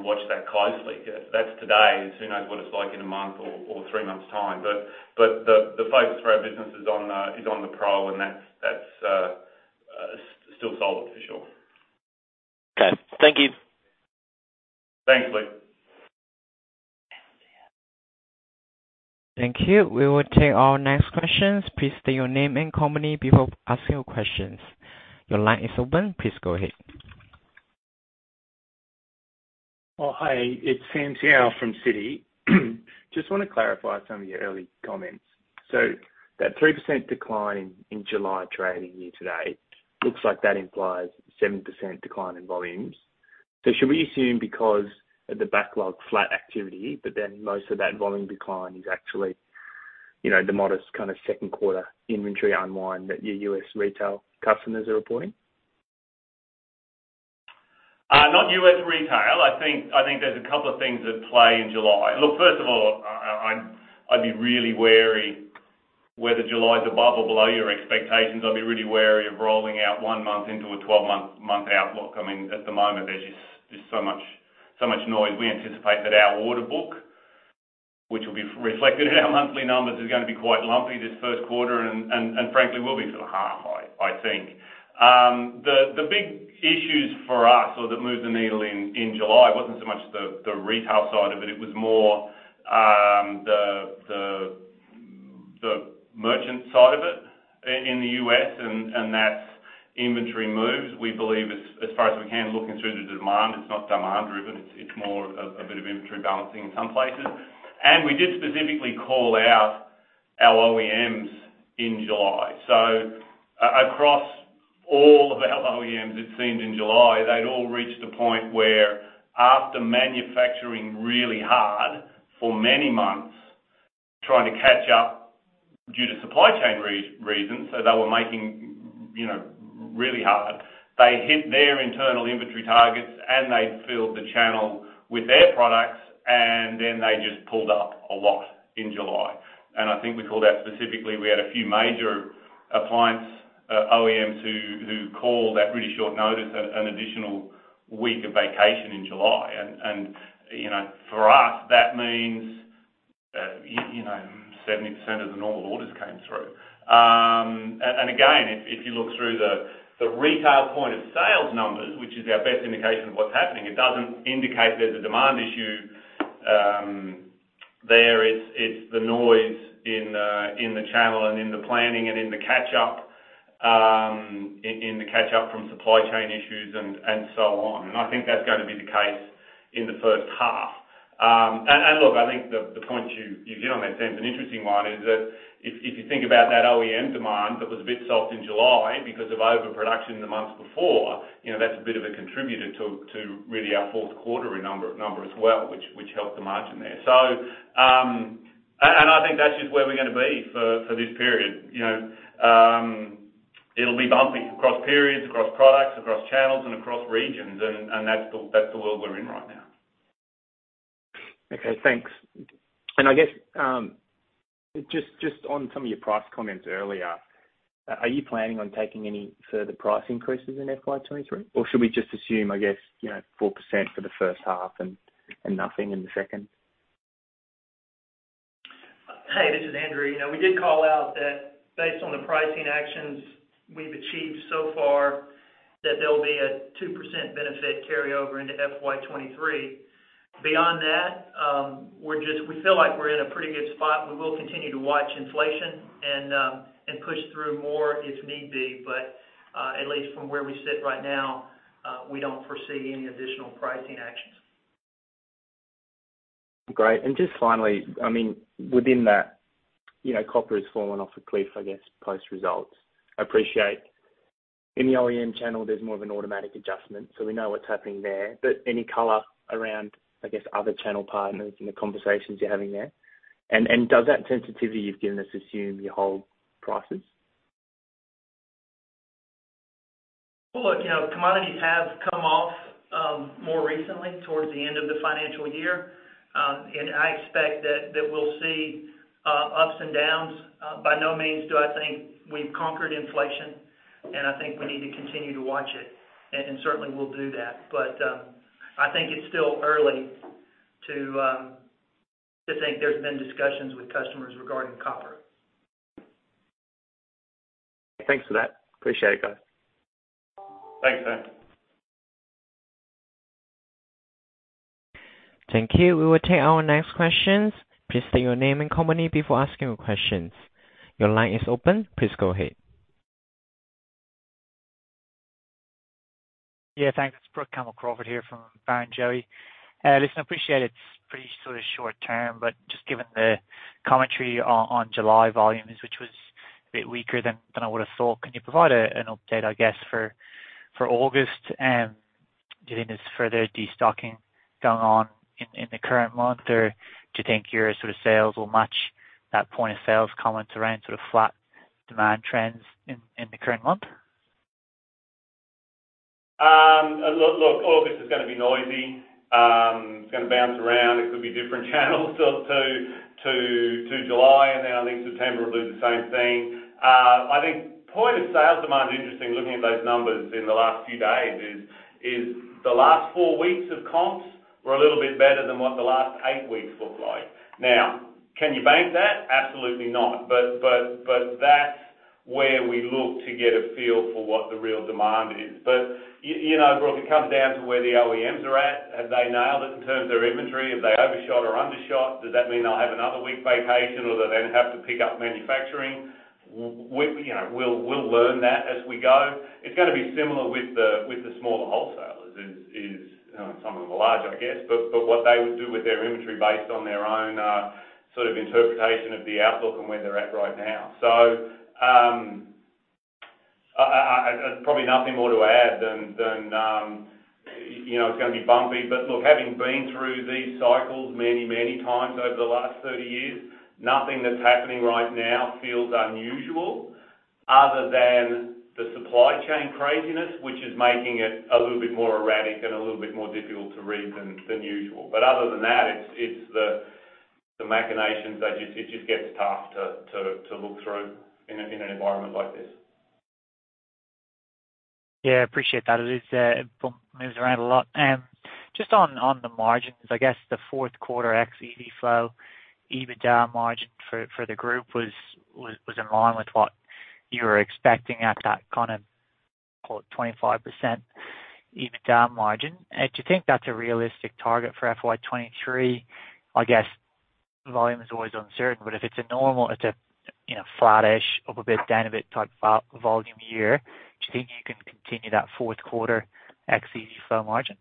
watch that closely. That's today. Who knows what it's like in a month or three months' time. But the focus for our business is on the pro, and that's still solid for sure. Okay. Thank you. Thanks, Lee. Thank you. We will take our next questions. Please state your name and company before asking your questions. Your line is open. Please go ahead. Oh, hi. It's Samuel Seow from Citi. Just wanna clarify some of your early comments. That 3% decline in July trading year to date looks like that implies 7% decline in volumes. Should we assume because of the backlog flat activity, but then most of that volume decline is actually, you know, the modest kind of second quarter inventory unwind that your U.S. retail customers are reporting? Not U.S. retail. I think there's a couple of things at play in July. Look, first of all, I'd be really wary whether July's above or below your expectations. I'd be really wary of rolling out one month into a 12-month outlook. I mean, at the moment, there's just so much noise. We anticipate that our order book, which will be reflected in our monthly numbers, is gonna be quite lumpy this first quarter, and frankly, will be for the half, I think. The big issues for us were that moved the needle in July wasn't so much the retail side of it was more the merchant side of it in the U.S., and that's inventory moves. We believe as far as we can, looking through the demand, it's not demand driven, it's more of a bit of inventory balancing in some places. We did specifically call out our OEMs in July. Across all of our OEMs, it seemed in July they'd all reached a point where after manufacturing really hard for many months trying to catch up due to supply chain reasons, so they were making really hard. They hit their internal inventory targets, and they filled the channel with their products, and then they just pulled up a lot in July. I think we called that specifically, we had a few major appliance OEMs who called at really short notice, an additional week of vacation in July. You know, for us, that means you know, 70% of the normal orders came through. Again, if you look through the retail point-of-sale numbers, which is our best indication of what's happening, it doesn't indicate there's a demand issue there. It's the noise in the channel and in the planning and in the catch-up from supply chain issues and so on. I think that's gonna be the case in the first half. Look, I think the point you hit on that, Sam, is an interesting one, is that if you think about that OEM demand that was a bit soft in July because of overproduction in the months before, you know, that's a bit of a contributor to really our fourth quarter number as well, which helped the margin there. I think that's just where we're gonna be for this period. You know, it'll be bumpy across periods, across products, across channels, and across regions, and that's the world we're in right now. Okay, thanks. I guess, just on some of your price comments earlier, are you planning on taking any further price increases in FY 2023? Or should we just assume, I guess, you know, 4% for the first half and nothing in the second? Hey, this is Andrew. You know, we did call out that based on the pricing actions we've achieved so far, that there'll be a 2% benefit carryover into FY 2023. Beyond that, we feel like we're in a pretty good spot. We will continue to watch inflation and push through more if need be. At least from where we sit right now, we don't foresee any additional pricing actions. Great. Just finally, I mean, within that, you know, copper has fallen off a cliff, I guess, post-results. I appreciate in the OEM channel, there's more of an automatic adjustment, so we know what's happening there. Any color around, I guess, other channel partners and the conversations you're having there? Does that sensitivity you've given us assume you hold prices? Well, look, you know, commodities have come off more recently towards the end of the financial year. I expect that we'll see ups and downs. By no means do I think we've conquered inflation, and I think we need to continue to watch it. Certainly we'll do that. I think it's still early to think there's been discussions with customers regarding copper. Thanks for that. Appreciate it, guys. Thanks, Sam. Thank you. We will take our next questions. Please state your name and company before asking your questions. Your line is open. Please go ahead. Yeah, thanks. It's Brook Campbell-Crawford here from Barrenjoey. Listen, appreciate it's pretty sort of short term, but just given the commentary on July volumes, which was a bit weaker than I would've thought, can you provide an update, I guess, for August? Do you think there's further destocking going on in the current month? Do you think your sort of sales will match that point of sales comments around sort of flat demand trends in the current month? Look, all this is gonna be noisy. It's gonna bounce around. It could be different channels to July, and then I think September will do the same thing. I think point of sales demand, interesting looking at those numbers in the last few days is the last four weeks of comps were a little bit better than what the last eight weeks looked like. Now, can you bank that? Absolutely not. But that's where we look to get a feel for what the real demand is. But you know, Brook, it comes down to where the OEMs are at. Have they nailed it in terms of their inventory? Have they overshot or undershot? Does that mean they'll have another week vacation, or they then have to pick up manufacturing? We, you know, we'll learn that as we go. It's gonna be similar with the smaller wholesalers. Some of them are larger, I guess. What they would do with their inventory based on their own sort of interpretation of the outlook and where they're at right now. Probably nothing more to add than you know, it's gonna be bumpy. Look, having been through these cycles many times over the last 30 years, nothing that's happening right now feels unusual. Other than the supply chain craziness, which is making it a little bit more erratic and a little bit more difficult to read than usual. Other than that, it's the machinations that it just gets tough to look through in an environment like this. Yeah, appreciate that. It is, moves around a lot. Just on the margins. I guess the fourth quarter XEV flow EBITDA margin for the group was in line with what you were expecting at that kind of, call it 25% EBITDA margin. Do you think that's a realistic target for FY 2023? I guess volume is always uncertain, but if it's a normal, you know, flattish, up a bit, down a bit type volume year, do you think you can continue that fourth quarter XEV flow margin?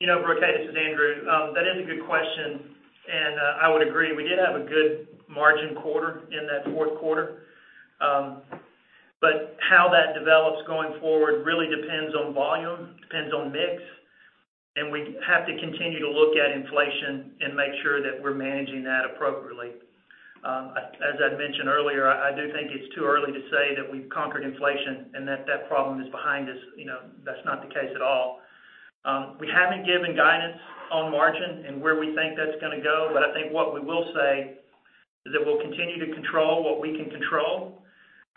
You know, Brook, hey, this is Andrew. That is a good question, and I would agree. We did have a good margin quarter in that fourth quarter. But how that develops going forward really depends on volume, depends on mix, and we have to continue to look at inflation and make sure that we're managing that appropriately. As I'd mentioned earlier, I do think it's too early to say that we've conquered inflation and that that problem is behind us. You know, that's not the case at all. We haven't given guidance on margin and where we think that's gonna go. I think what we will say is that we'll continue to control what we can control,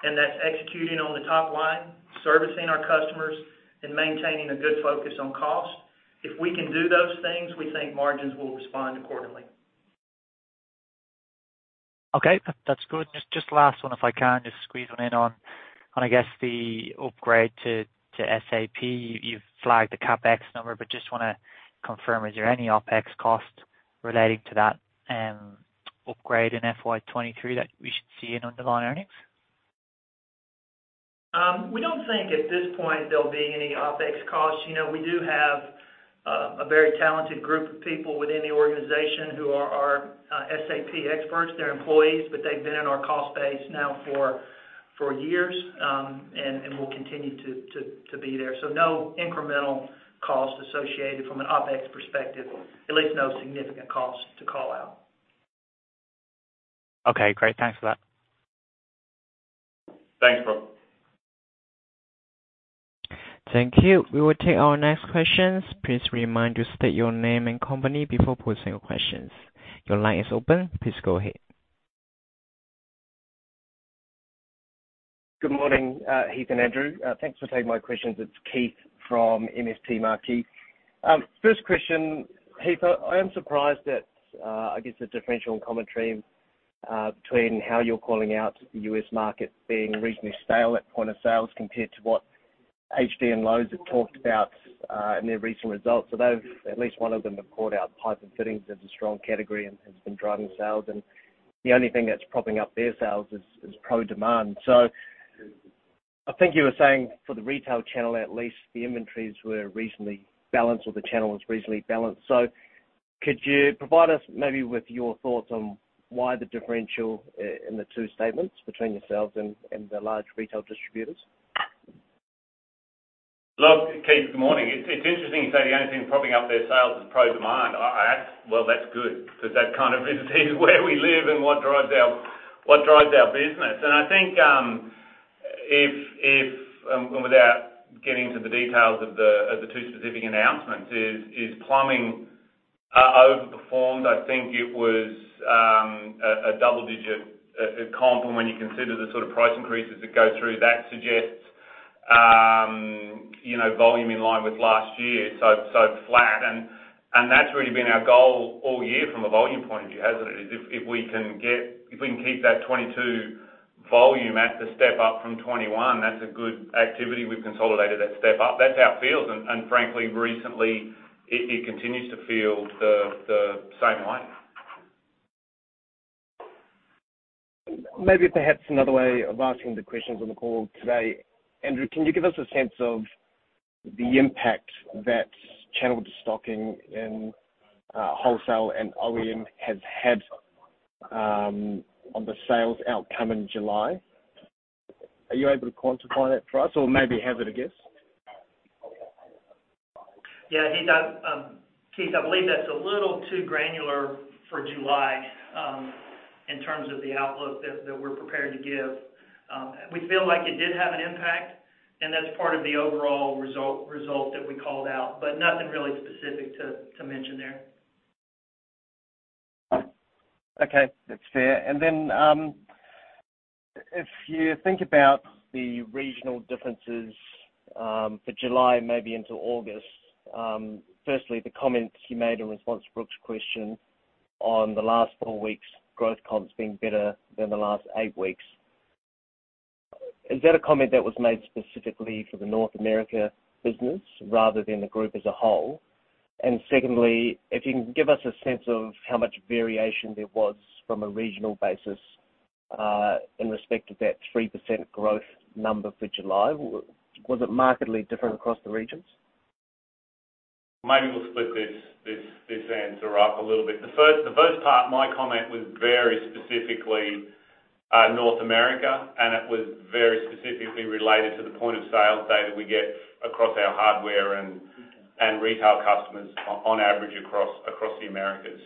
and that's executing on the top line, servicing our customers and maintaining a good focus on cost. If we can do those things, we think margins will respond accordingly. Okay. That's good. Just last one, if I can just squeeze one in on I guess the upgrade to SAP. You've flagged the CapEx number, but just wanna confirm, is there any OpEx cost relating to that upgrade in FY 2023 that we should see in underlying earnings? We don't think at this point there'll be any OpEx costs. You know, we do have a very talented group of people within the organization who are our SAP experts. They're employees, but they've been in our cost base now for years, and will continue to be there. No incremental cost associated from an OpEx perspective. At least no significant cost to call out. Okay, great. Thanks for that. Thanks, Brook. Thank you. We will take our next questions. Please remember to state your name and company before posing your questions. Your line is open. Please go ahead. Good morning, Heath and Andrew. Thanks for taking my questions. It's Keith from MST Marquee. First question, Heath. I am surprised that, I guess the differential commentary, between how you're calling out the US market being reasonably stale at point of sales compared to what HD and Lowe's have talked about, in their recent results. At least one of them have called out pipes and fittings as a strong category and has been driving sales, and the only thing that's propping up their sales is pro demand. I think you were saying for the retail channel at least, the inventories were reasonably balanced or the channel was reasonably balanced. Could you provide us maybe with your thoughts on why the differential in the two statements between yourselves and the large retail distributors? Look, Keith, good morning. It's interesting you say the only thing propping up their sales is pro demand. Well, that's good because that kind of is where we live and what drives our business. I think without getting into the details of the two specific announcements, plumbing overperformed. I think it was a double digit comp when you consider the sort of price increases that go through. That suggests you know, volume in line with last year, so flat, and that's really been our goal all year from a volume point of view, hasn't it? If we can keep that 2022 volume at the step up from 2021, that's a good activity. We've consolidated that step up. That's how it feels. Frankly, recently, it continues to feel the same way. Maybe perhaps another way of asking the questions on the call today. Andrew, can you give us a sense of the impact that channel de-stocking in wholesale and OEM has had on the sales outcome in July? Are you able to quantify that for us or maybe hazard a guess? Yeah, Keith, I believe that's a little too granular for July, in terms of the outlook that we're prepared to give. We feel like it did have an impact, and that's part of the overall result that we called out, but nothing really specific to mention there. Okay. That's fair. Then, if you think about the regional differences, for July, maybe into August, firstly, the comments you made in response to Brook's question on the last four weeks growth comps being better than the last eight weeks. Is that a comment that was made specifically for the North America business rather than the group as a whole? And secondly, if you can give us a sense of how much variation there was from a regional basis, in respect to that 3% growth number for July. Was it markedly different across the regions? Maybe we'll split this answer up a little bit. The first part, my comment was very specifically North America, and it was very specifically related to the point of sale data we get across our hardware and retail customers on average across the Americas.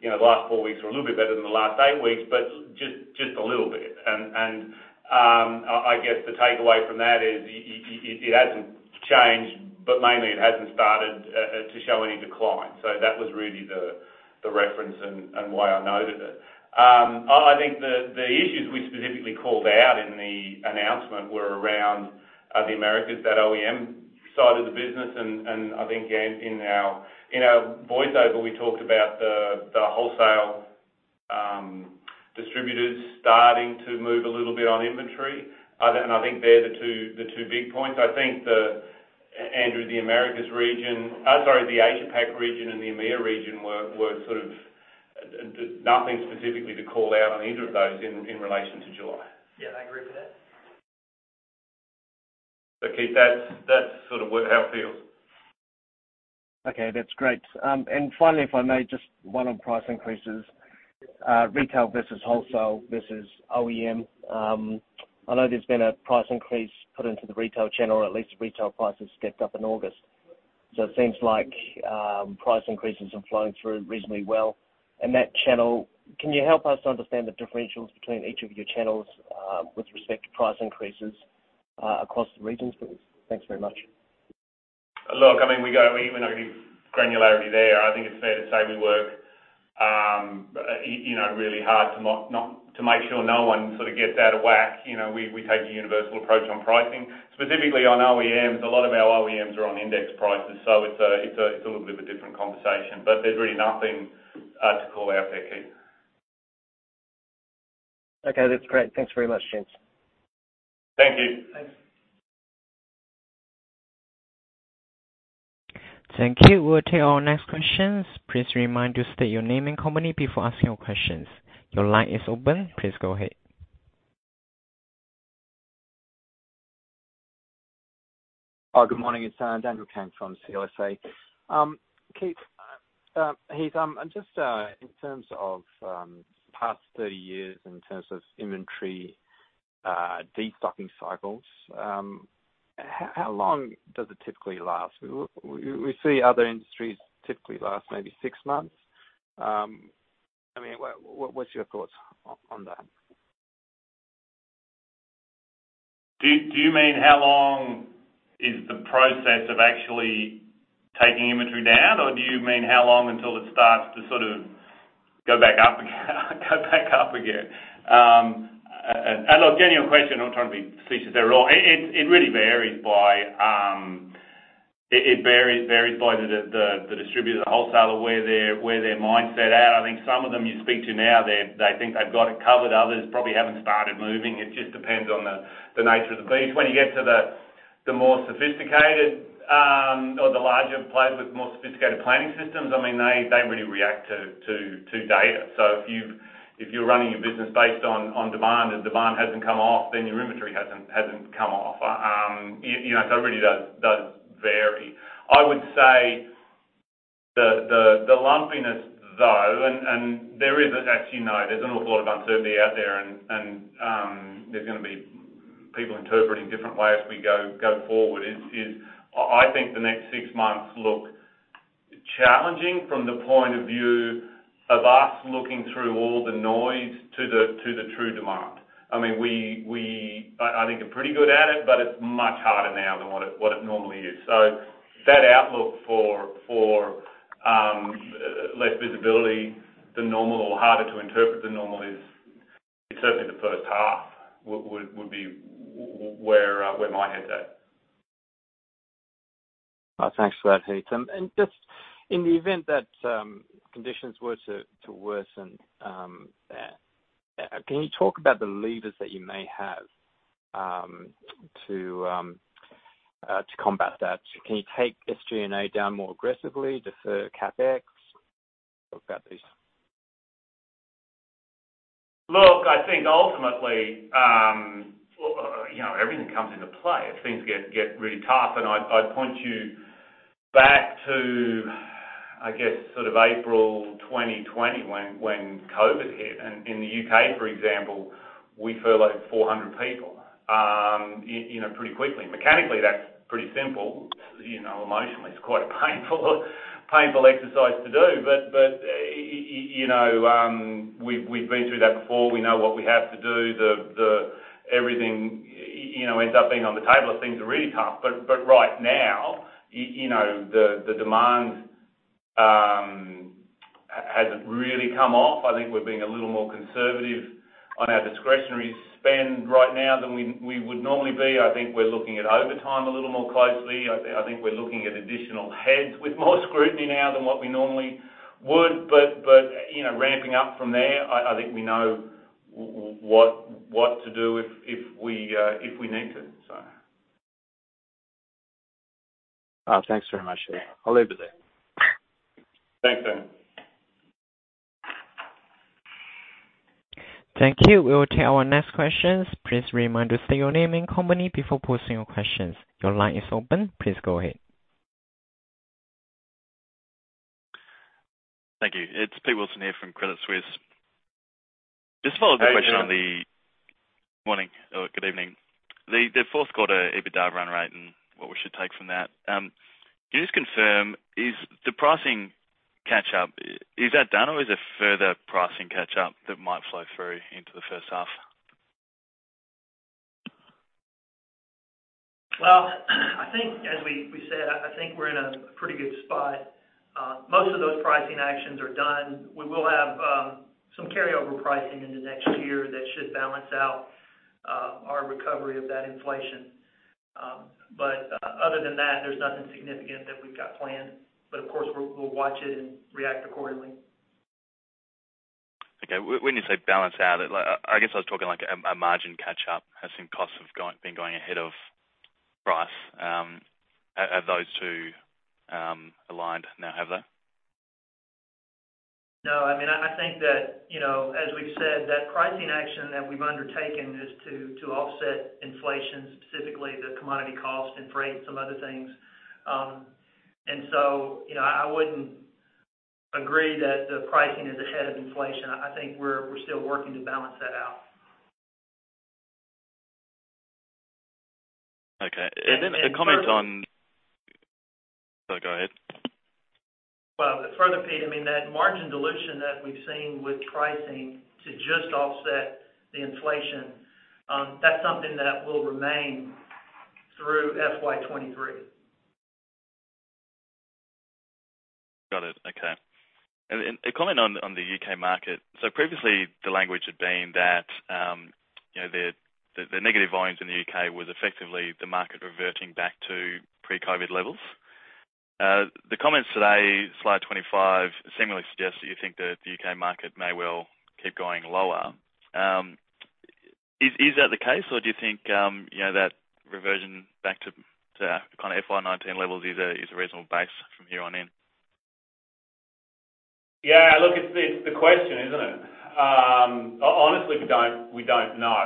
You know, the last 4 weeks were a little bit better than the last 8 weeks, but just a little bit. I guess the takeaway from that is it hasn't changed, but mainly it hasn't started to show any decline. That was really the reference and why I noted it. I think the issues we specifically called out in the announcement were around the Americas, that OEM side of the business. I think, again, in our voiceover, we talked about the wholesale distributors starting to move a little bit on inventory. I think they're the two big points. Andrew, the Asia Pac region and the EMEA region were sort of nothing specifically to call out on either of those in relation to July. Yeah, I agree with that. Keith, that's sort of how it feels. Okay, that's great. Finally, if I may, just one on price increases, retail versus wholesale versus OEM. I know there's been a price increase put into the retail channel, or at least retail prices stepped up in August. It seems like, price increases have flowing through reasonably well. In that channel, can you help us understand the differentials between each of your channels, with respect to price increases, across the regions, please? Thanks very much. Look, I mean, we even give granularity there. I think it's fair to say we work, you know, really hard to not to make sure no one sort of gets out of whack. You know, we take a universal approach on pricing. Specifically on OEMs, a lot of our OEMs are on index prices, so it's a little bit of a different conversation. There's really nothing to call out there, Keith. Okay, that's great. Thanks very much, gents. Thank you. Thanks. Thank you. We'll take our next questions. Please remember to state your name and company before asking your questions. Your line is open. Please go ahead. Hi. Good morning. It's Daniel Kang from CLSA. Keith, Heath, and just in terms of past 30 years in terms of inventory destocking cycles, how long does it typically last? We see other industries typically last maybe 6 months. I mean, what's your thoughts on that? Do you mean how long is the process of actually taking inventory down, or do you mean how long until it starts to sort of go back up again? Go back up again. And look, Daniel, your question, I'm not trying to be facetious there at all. It really varies by the distributor, the wholesaler, where their mindset at. I think some of them you speak to now, they think they've got it covered, others probably haven't started moving. It just depends on the nature of the beast. When you get to the more sophisticated or the larger players with more sophisticated planning systems, I mean they really react to data. If you're running your business based on demand and demand hasn't come off, then your inventory hasn't come off. You know, it really does vary. I would say the lumpiness though, and there is, as you know, there's an awful lot of uncertainty out there and, there's gonna be people interpreting different ways as we go forward is I think the next six months look challenging from the point of view of us looking through all the noise to the true demand. I mean, we I think are pretty good at it, but it's much harder now than what it normally is. That outlook for less visibility than normal or harder to interpret than normal is certainly the first half would be where my head's at. Thanks for that, Heath. Just in the event that conditions were to worsen, can you talk about the levers that you may have to combat that? Can you take SG&A down more aggressively, defer CapEx? Talk about these. Look, I think ultimately, you know, everything comes into play if things get really tough. I'd point you back to, I guess, sort of April 2020 when COVID hit. In the U.K., for example, we furloughed 400 people pretty quickly. Mechanically, that's pretty simple. You know, emotionally, it's quite a painful exercise to do. We've been through that before. We know what we have to do. Everything ends up being on the table if things are really tough. Right now, the demand hasn't really come off. I think we're being a little more conservative on our discretionary spend right now than we would normally be. I think we're looking at overtime a little more closely. I think we're looking at additional heads with more scrutiny now than what we normally would. You know, ramping up from there, I think we know what to do if we need to, so. Thanks very much. I'll leave it there. Thanks, Daniel. Thank you. We'll take our next questions. Please remember to state your name and company before posing your questions. Your line is open. Please go ahead. Thank you. It's Peter Wilson here from Credit Suisse. Just following the question on the How are you doing? Morning, or good evening. The fourth quarter EBITDA run rate and what we should take from that. Can you just confirm, is the pricing catch-up, is that done or is there further pricing catch-up that might flow through into the first half? Well, I think as we said, I think we're in a pretty good spot. Most of those pricing actions are done. We will have some carryover pricing into next year that should balance out our recovery of that inflation. Other than that, there's nothing significant that we've got planned. Of course, we'll watch it and react accordingly. Okay. When you say balance out, I guess I was talking like a margin catch up as some costs have been going ahead of price. Have those two aligned now, have they? No. I mean, I think that, you know, as we've said, that pricing action that we've undertaken is to offset inflation, specifically the commodity cost and freight some other things. You know, I wouldn't agree that the pricing is ahead of inflation. I think we're still working to balance that out. Okay. A comment on. Further- No, go ahead. Well, further, Pete, I mean, that margin dilution that we've seen with pricing to just offset the inflation, that's something that will remain through FY 2023. Got it. Okay. A comment on the U.K. market. Previously the language had been that the negative volumes in the U.K. was effectively the market reverting back to pre-COVID levels. The comments today, slide 25, seemingly suggests that you think that the U.K. market may well keep going lower. Is that the case, or do you think that reversion back to kind of FY 2019 levels is a reasonable base from here on in? Yeah, look, it's the question, isn't it? Honestly, we don't know.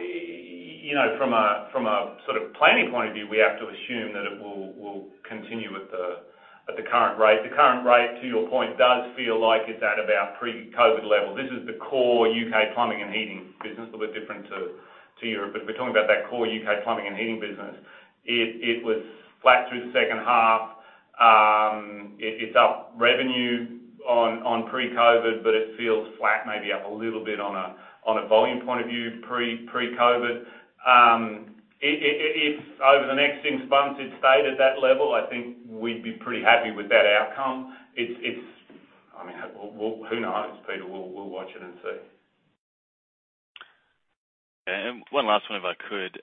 You know, from a sort of planning point of view, we have to assume that it will continue at the current rate. The current rate, to your point, does feel like it's at about pre-COVID level. This is the core UK plumbing and heating business, a little bit different to Europe. We're talking about that core UK plumbing and heating business. It was flat through the second half. It's up revenue on pre-COVID, but it feels flat, maybe up a little bit on a volume point of view pre-COVID. If over the next six months it stayed at that level, I think we'd be pretty happy with that outcome. It's. I mean, we'll. Who knows, Peter? We'll watch it and see. One last one, if I could.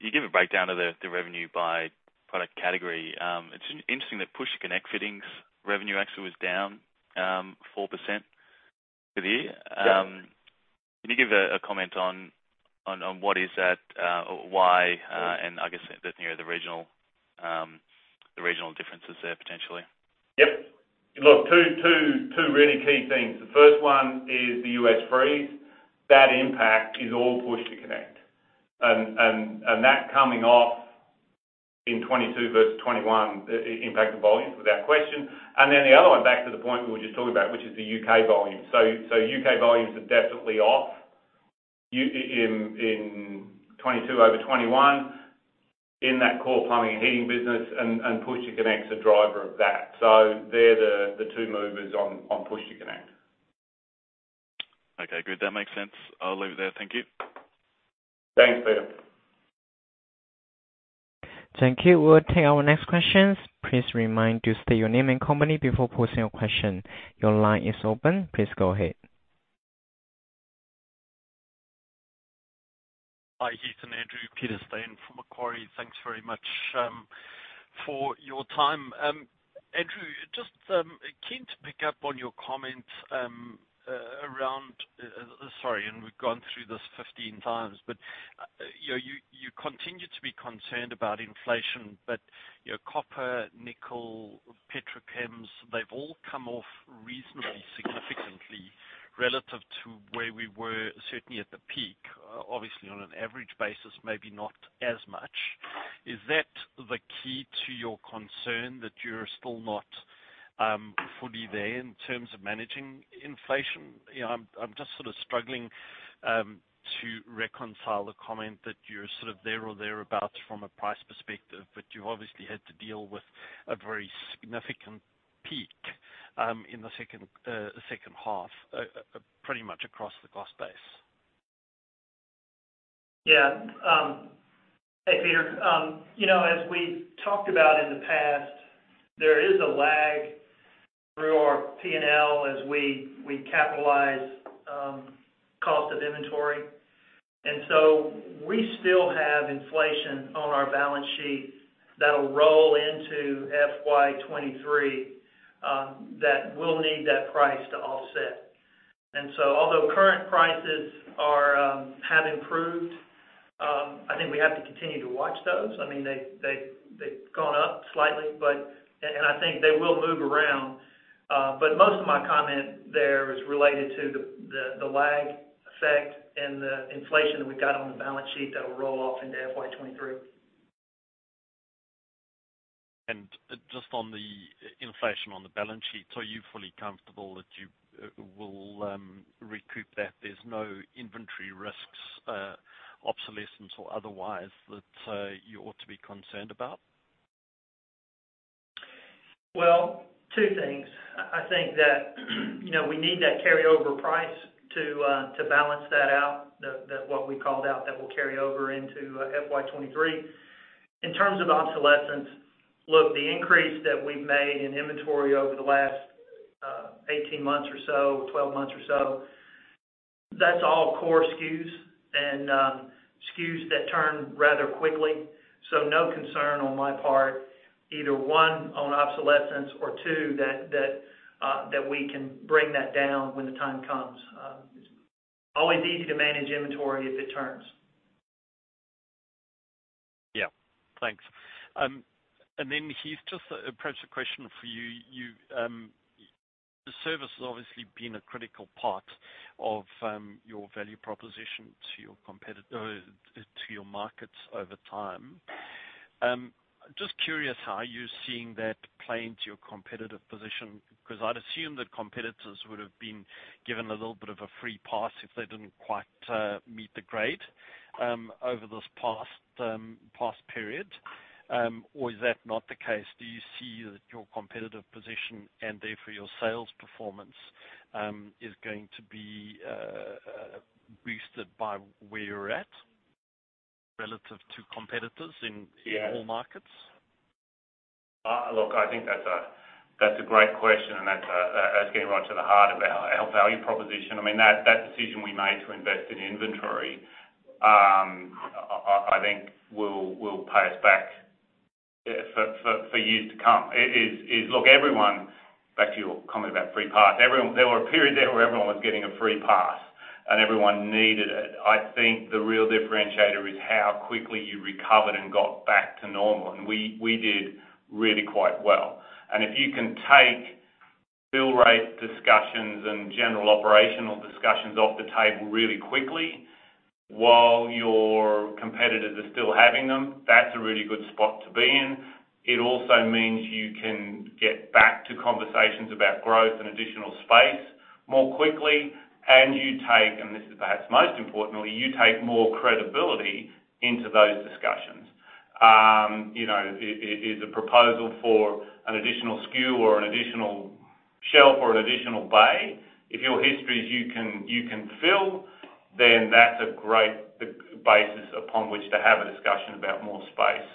You give a breakdown of the revenue by product category. It's interesting that Push-to-Connect fittings revenue actually was down 4% for the year. Can you give a comment on what is that or why, and I guess, you know, the regional differences there potentially? Yep. Look, two really key things. The first one is the U.S. freeze. That impact is all Push-to-Connect. And that coming off in 2022 versus 2021 impact the volumes without question. Then the other one, back to the point we were just talking about, which is the U.K. volume. U.K. volumes are definitely off in 2022 over 2021 in that core plumbing and heating business and Push-to-Connect's a driver of that. They're the two movers on Push-to-Connect. Okay, good. That makes sense. I'll leave it there. Thank you. Thanks, Peter. Thank you. We'll take our next questions. Please remember to state your name and company before posing your question. Your line is open. Please go ahead. Hi, Heath and Andrew. Peter Steyn from Macquarie. Thanks very much for your time. Andrew, just keen to pick up on your comment around, sorry, and we've gone through this 15x, but you know, you continue to be concerned about inflation, but you know, copper, nickel, petrochemicals, they've all come off reasonably significantly relative to where we were certainly at the peak. Obviously on an average basis, maybe not as much. Is that the key to your concern that you're still not fully there in terms of managing inflation? You know, I'm just sort of struggling to reconcile the comment that you're sort of there or thereabouts from a price perspective, but you've obviously had to deal with a very significant peak in the second half pretty much across the cost base. Yeah. Hey, Peter. You know, as we talked about in the past, there is a lag through our P&L as we capitalize cost of inventory. We still have inflation on our balance sheet that'll roll into FY 2023 that we'll need that price to offset. Although current prices have improved, I think we have to continue to watch those. I mean, they've gone up slightly, but I think they will move around. Most of my comment there is related to the lag effect and the inflation that we've got on the balance sheet that will roll off into FY 2023. Just on the inflation on the balance sheet, are you fully comfortable that you will recoup that there's no inventory risks, obsolescence or otherwise that you ought to be concerned about? Well, two things. I think that, you know, we need that carryover price to balance that out, what we called out that will carry over into FY 2023. In terms of obsolescence, look, the increase that we've made in inventory over the last 18 months or so, 12 months or so, that's all core SKUs and SKUs that turn rather quickly. No concern on my part, either, one, on obsolescence, or two, that we can bring that down when the time comes. Always easy to manage inventory if it turns. Yeah. Thanks. Heath, just perhaps a question for you. You, the service has obviously been a critical part of, your value proposition to your markets over time. Just curious, how are you seeing that play into your competitive position? Because I'd assume that competitors would've been given a little bit of a free pass if they didn't quite meet the grade over this past period. Or is that not the case? Do you see that your competitive position and therefore your sales performance is going to be boosted by where you're at relative to competitors in all markets? Yeah. Look, I think that's a great question, and that's getting right to the heart of our value proposition. I mean, that decision we made to invest in inventory, I think will pay us back for years to come. Look, everyone, back to your comment about free pass. There were a period there where everyone was getting a free pass, and everyone needed it. I think the real differentiator is how quickly you recovered and got back to normal. We did really quite well. If you can take bill rate discussions and general operational discussions off the table really quickly while your competitors are still having them, that's a really good spot to be in. It also means you can get back to conversations about growth and additional space more quickly, and this is perhaps most importantly, you take more credibility into those discussions. You know, it is a proposal for an additional SKU or an additional shelf or an additional bay. If your history is you can fill, then that's a great basis upon which to have a discussion about more space.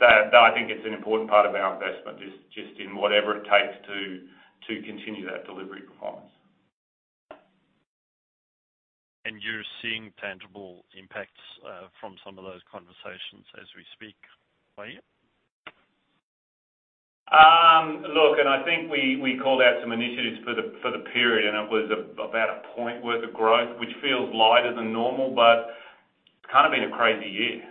That, I think it's an important part of our investment, just in whatever it takes to continue that delivery performance. You're seeing tangible impacts from some of those conversations as we speak. Are you? Look, I think we called out some initiatives for the period, and it was about a point worth of growth, which feels lighter than normal, but it's kind of been a crazy year.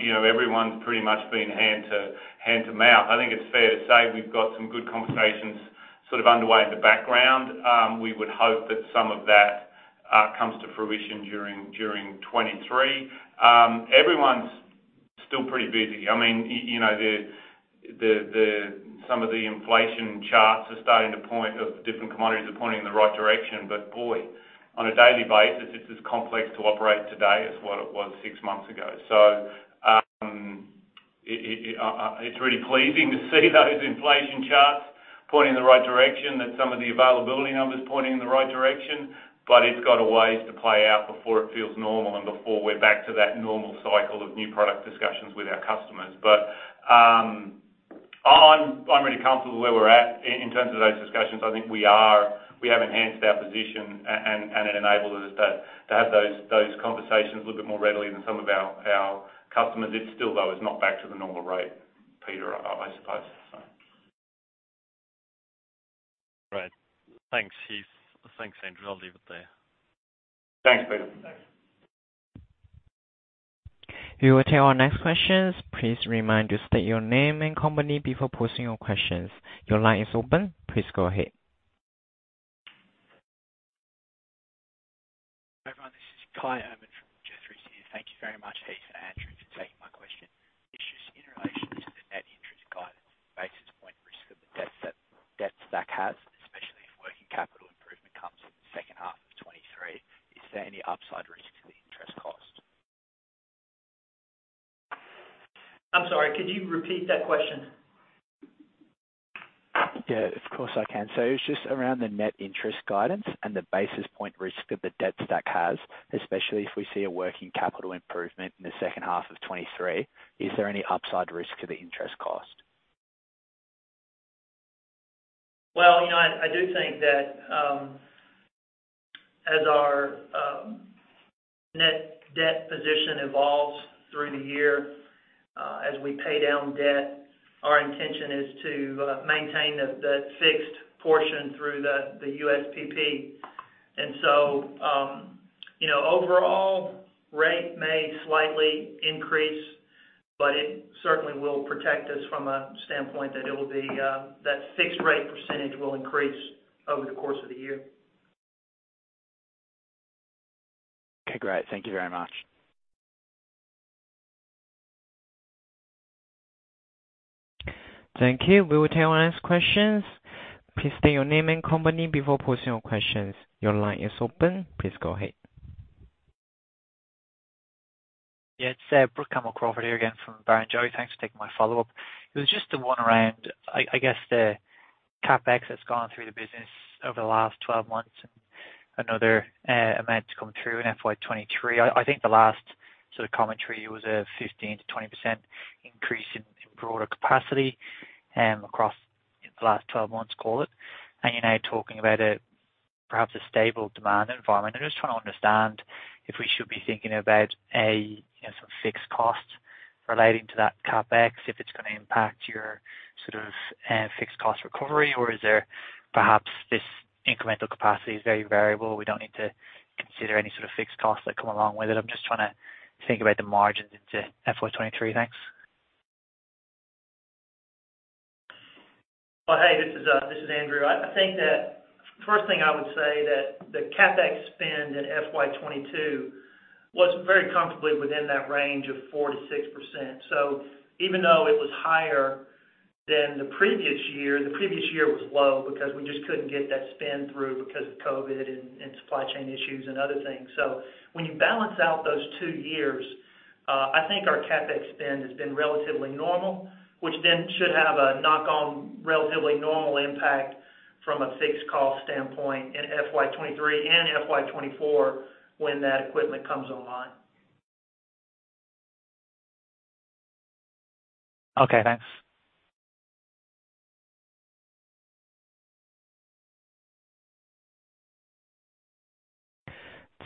You know, everyone's pretty much been hand to mouth. I think it's fair to say we've got some good conversations sort of underway in the background. We would hope that some of that comes to fruition during 2023. Everyone's still pretty busy. I mean, you know, some of the inflation charts are starting to point, of different commodities are pointing in the right direction. Boy, on a daily basis, it's as complex to operate today as what it was six months ago. It's really pleasing to see those inflation charts pointing in the right direction, that some of the availability numbers pointing in the right direction. It's got a ways to play out before it feels normal and before we're back to that normal cycle of new product discussions with our customers. I'm really comfortable where we're at in terms of those discussions. I think we have enhanced our position and it enables us to have those conversations a little bit more readily than some of our customers. It's still though, it's not back to the normal rate, Peter, I suppose so. Great. Thanks, Heath. Thanks, Andrew. I'll leave it there. Thanks, Peter. Thanks. We will take our next questions. Please remember to state your name and company before posing your questions. Your line is open. Please go ahead. Hi, everyone, this is Kai Erman from Jefferies here. Thank you very much, Heath and Andrew, for taking my question. It's just in relation to the net interest guidance basis point risk of the debt stack has, especially if working capital improvement comes in the second half of 2023, is there any upside risk to the interest cost? I'm sorry, could you repeat that question? Yeah, of course, I can. It's just around the net interest guidance and the basis point risk that the debt stack has, especially if we see a working capital improvement in the second half of 2023, is there any upside risk to the interest cost? Well, you know, I do think that, as our net debt position evolves through the year, as we pay down debt, our intention is to maintain the fixed portion through the USPP. Overall rate may slightly increase, but it certainly will protect us from a standpoint that it'll be that fixed rate percentage will increase over the course of the year. Okay, great. Thank you very much. Thank you. We will take last questions. Please state your name and company before posing your questions. Your line is open. Please go ahead. Yeah, it's Brook Campbell-Crawford here again from Barrenjoey. Thanks for taking my follow-up. It was just the one around I guess the CapEx that's gone through the business over the last 12 months, and another amount to come through in FY 2023. I think the last sort of commentary was a 15%-20% increase in broader capacity across the last 12 months, call it. You're now talking about perhaps a stable demand environment. I'm just trying to understand if we should be thinking about a you know sort of fixed cost relating to that CapEx, if it's gonna impact your sort of fixed cost recovery, or is there perhaps this incremental capacity is very variable, we don't need to consider any sort of fixed costs that come along with it? I'm just trying to think about the margins into FY 2023. Thanks. Well, hey, this is Andrew. I think that first thing I would say that the CapEx spend in FY 2022 was very comfortably within that range of 4%-6%. Even though it was higher than the previous year, the previous year was low because we just couldn't get that spend through because of COVID and supply chain issues and other things. When you balance out those two years, I think our CapEx spend has been relatively normal, which then should have a knock on relatively normal impact from a fixed cost standpoint in FY 2023 and FY 2024 when that equipment comes online. Okay, thanks.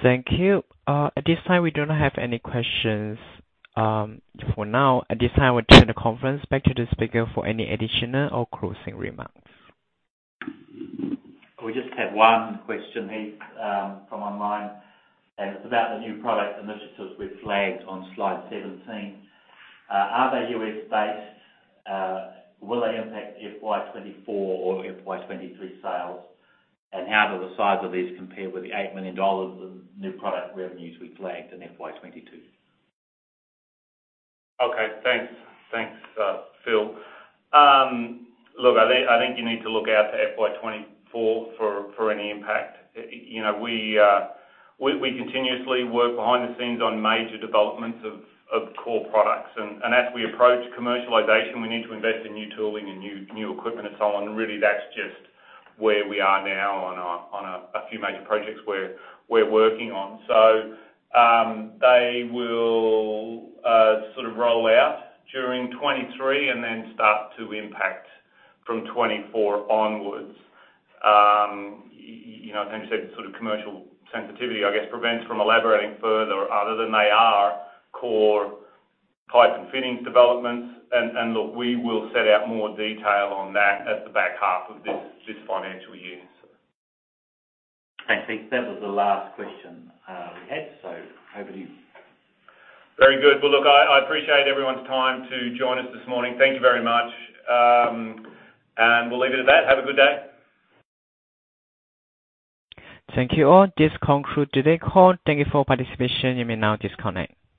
Thank you. At this time, we do not have any questions, for now. At this time, I will turn the conference back to the speaker for any additional or closing remarks. We just have 1 question, Heath, from online, and it's about the new product initiatives we flagged on slide 17. Are they U.S.-based? Will they impact FY 2024 or FY 2023 sales? How do the size of these compare with the $8 million of new product revenues we flagged in FY 2022? Okay, thanks. Thanks, Phil. Look, I think you need to look out to FY 2024 for any impact. You know, we continuously work behind the scenes on major developments of core products. As we approach commercialization, we need to invest in new tooling and new equipment and so on, really that's just where we are now on a few major projects we're working on. They will sort of roll out during 2023 and then start to impact from 2024 onwards. You know, as you said, sort of commercial sensitivity, I guess, prevents from elaborating further other than they are core pipe and fittings developments. Look, we will set out more detail on that at the back half of this financial year. Thanks, Heath. That was the last question we had, so over to you. Very good. Well, look, I appreciate everyone's time to join us this morning. Thank you very much. We'll leave it at that. Have a good day. Thank you all. This concludes today's call. Thank you for participation. You may now disconnect.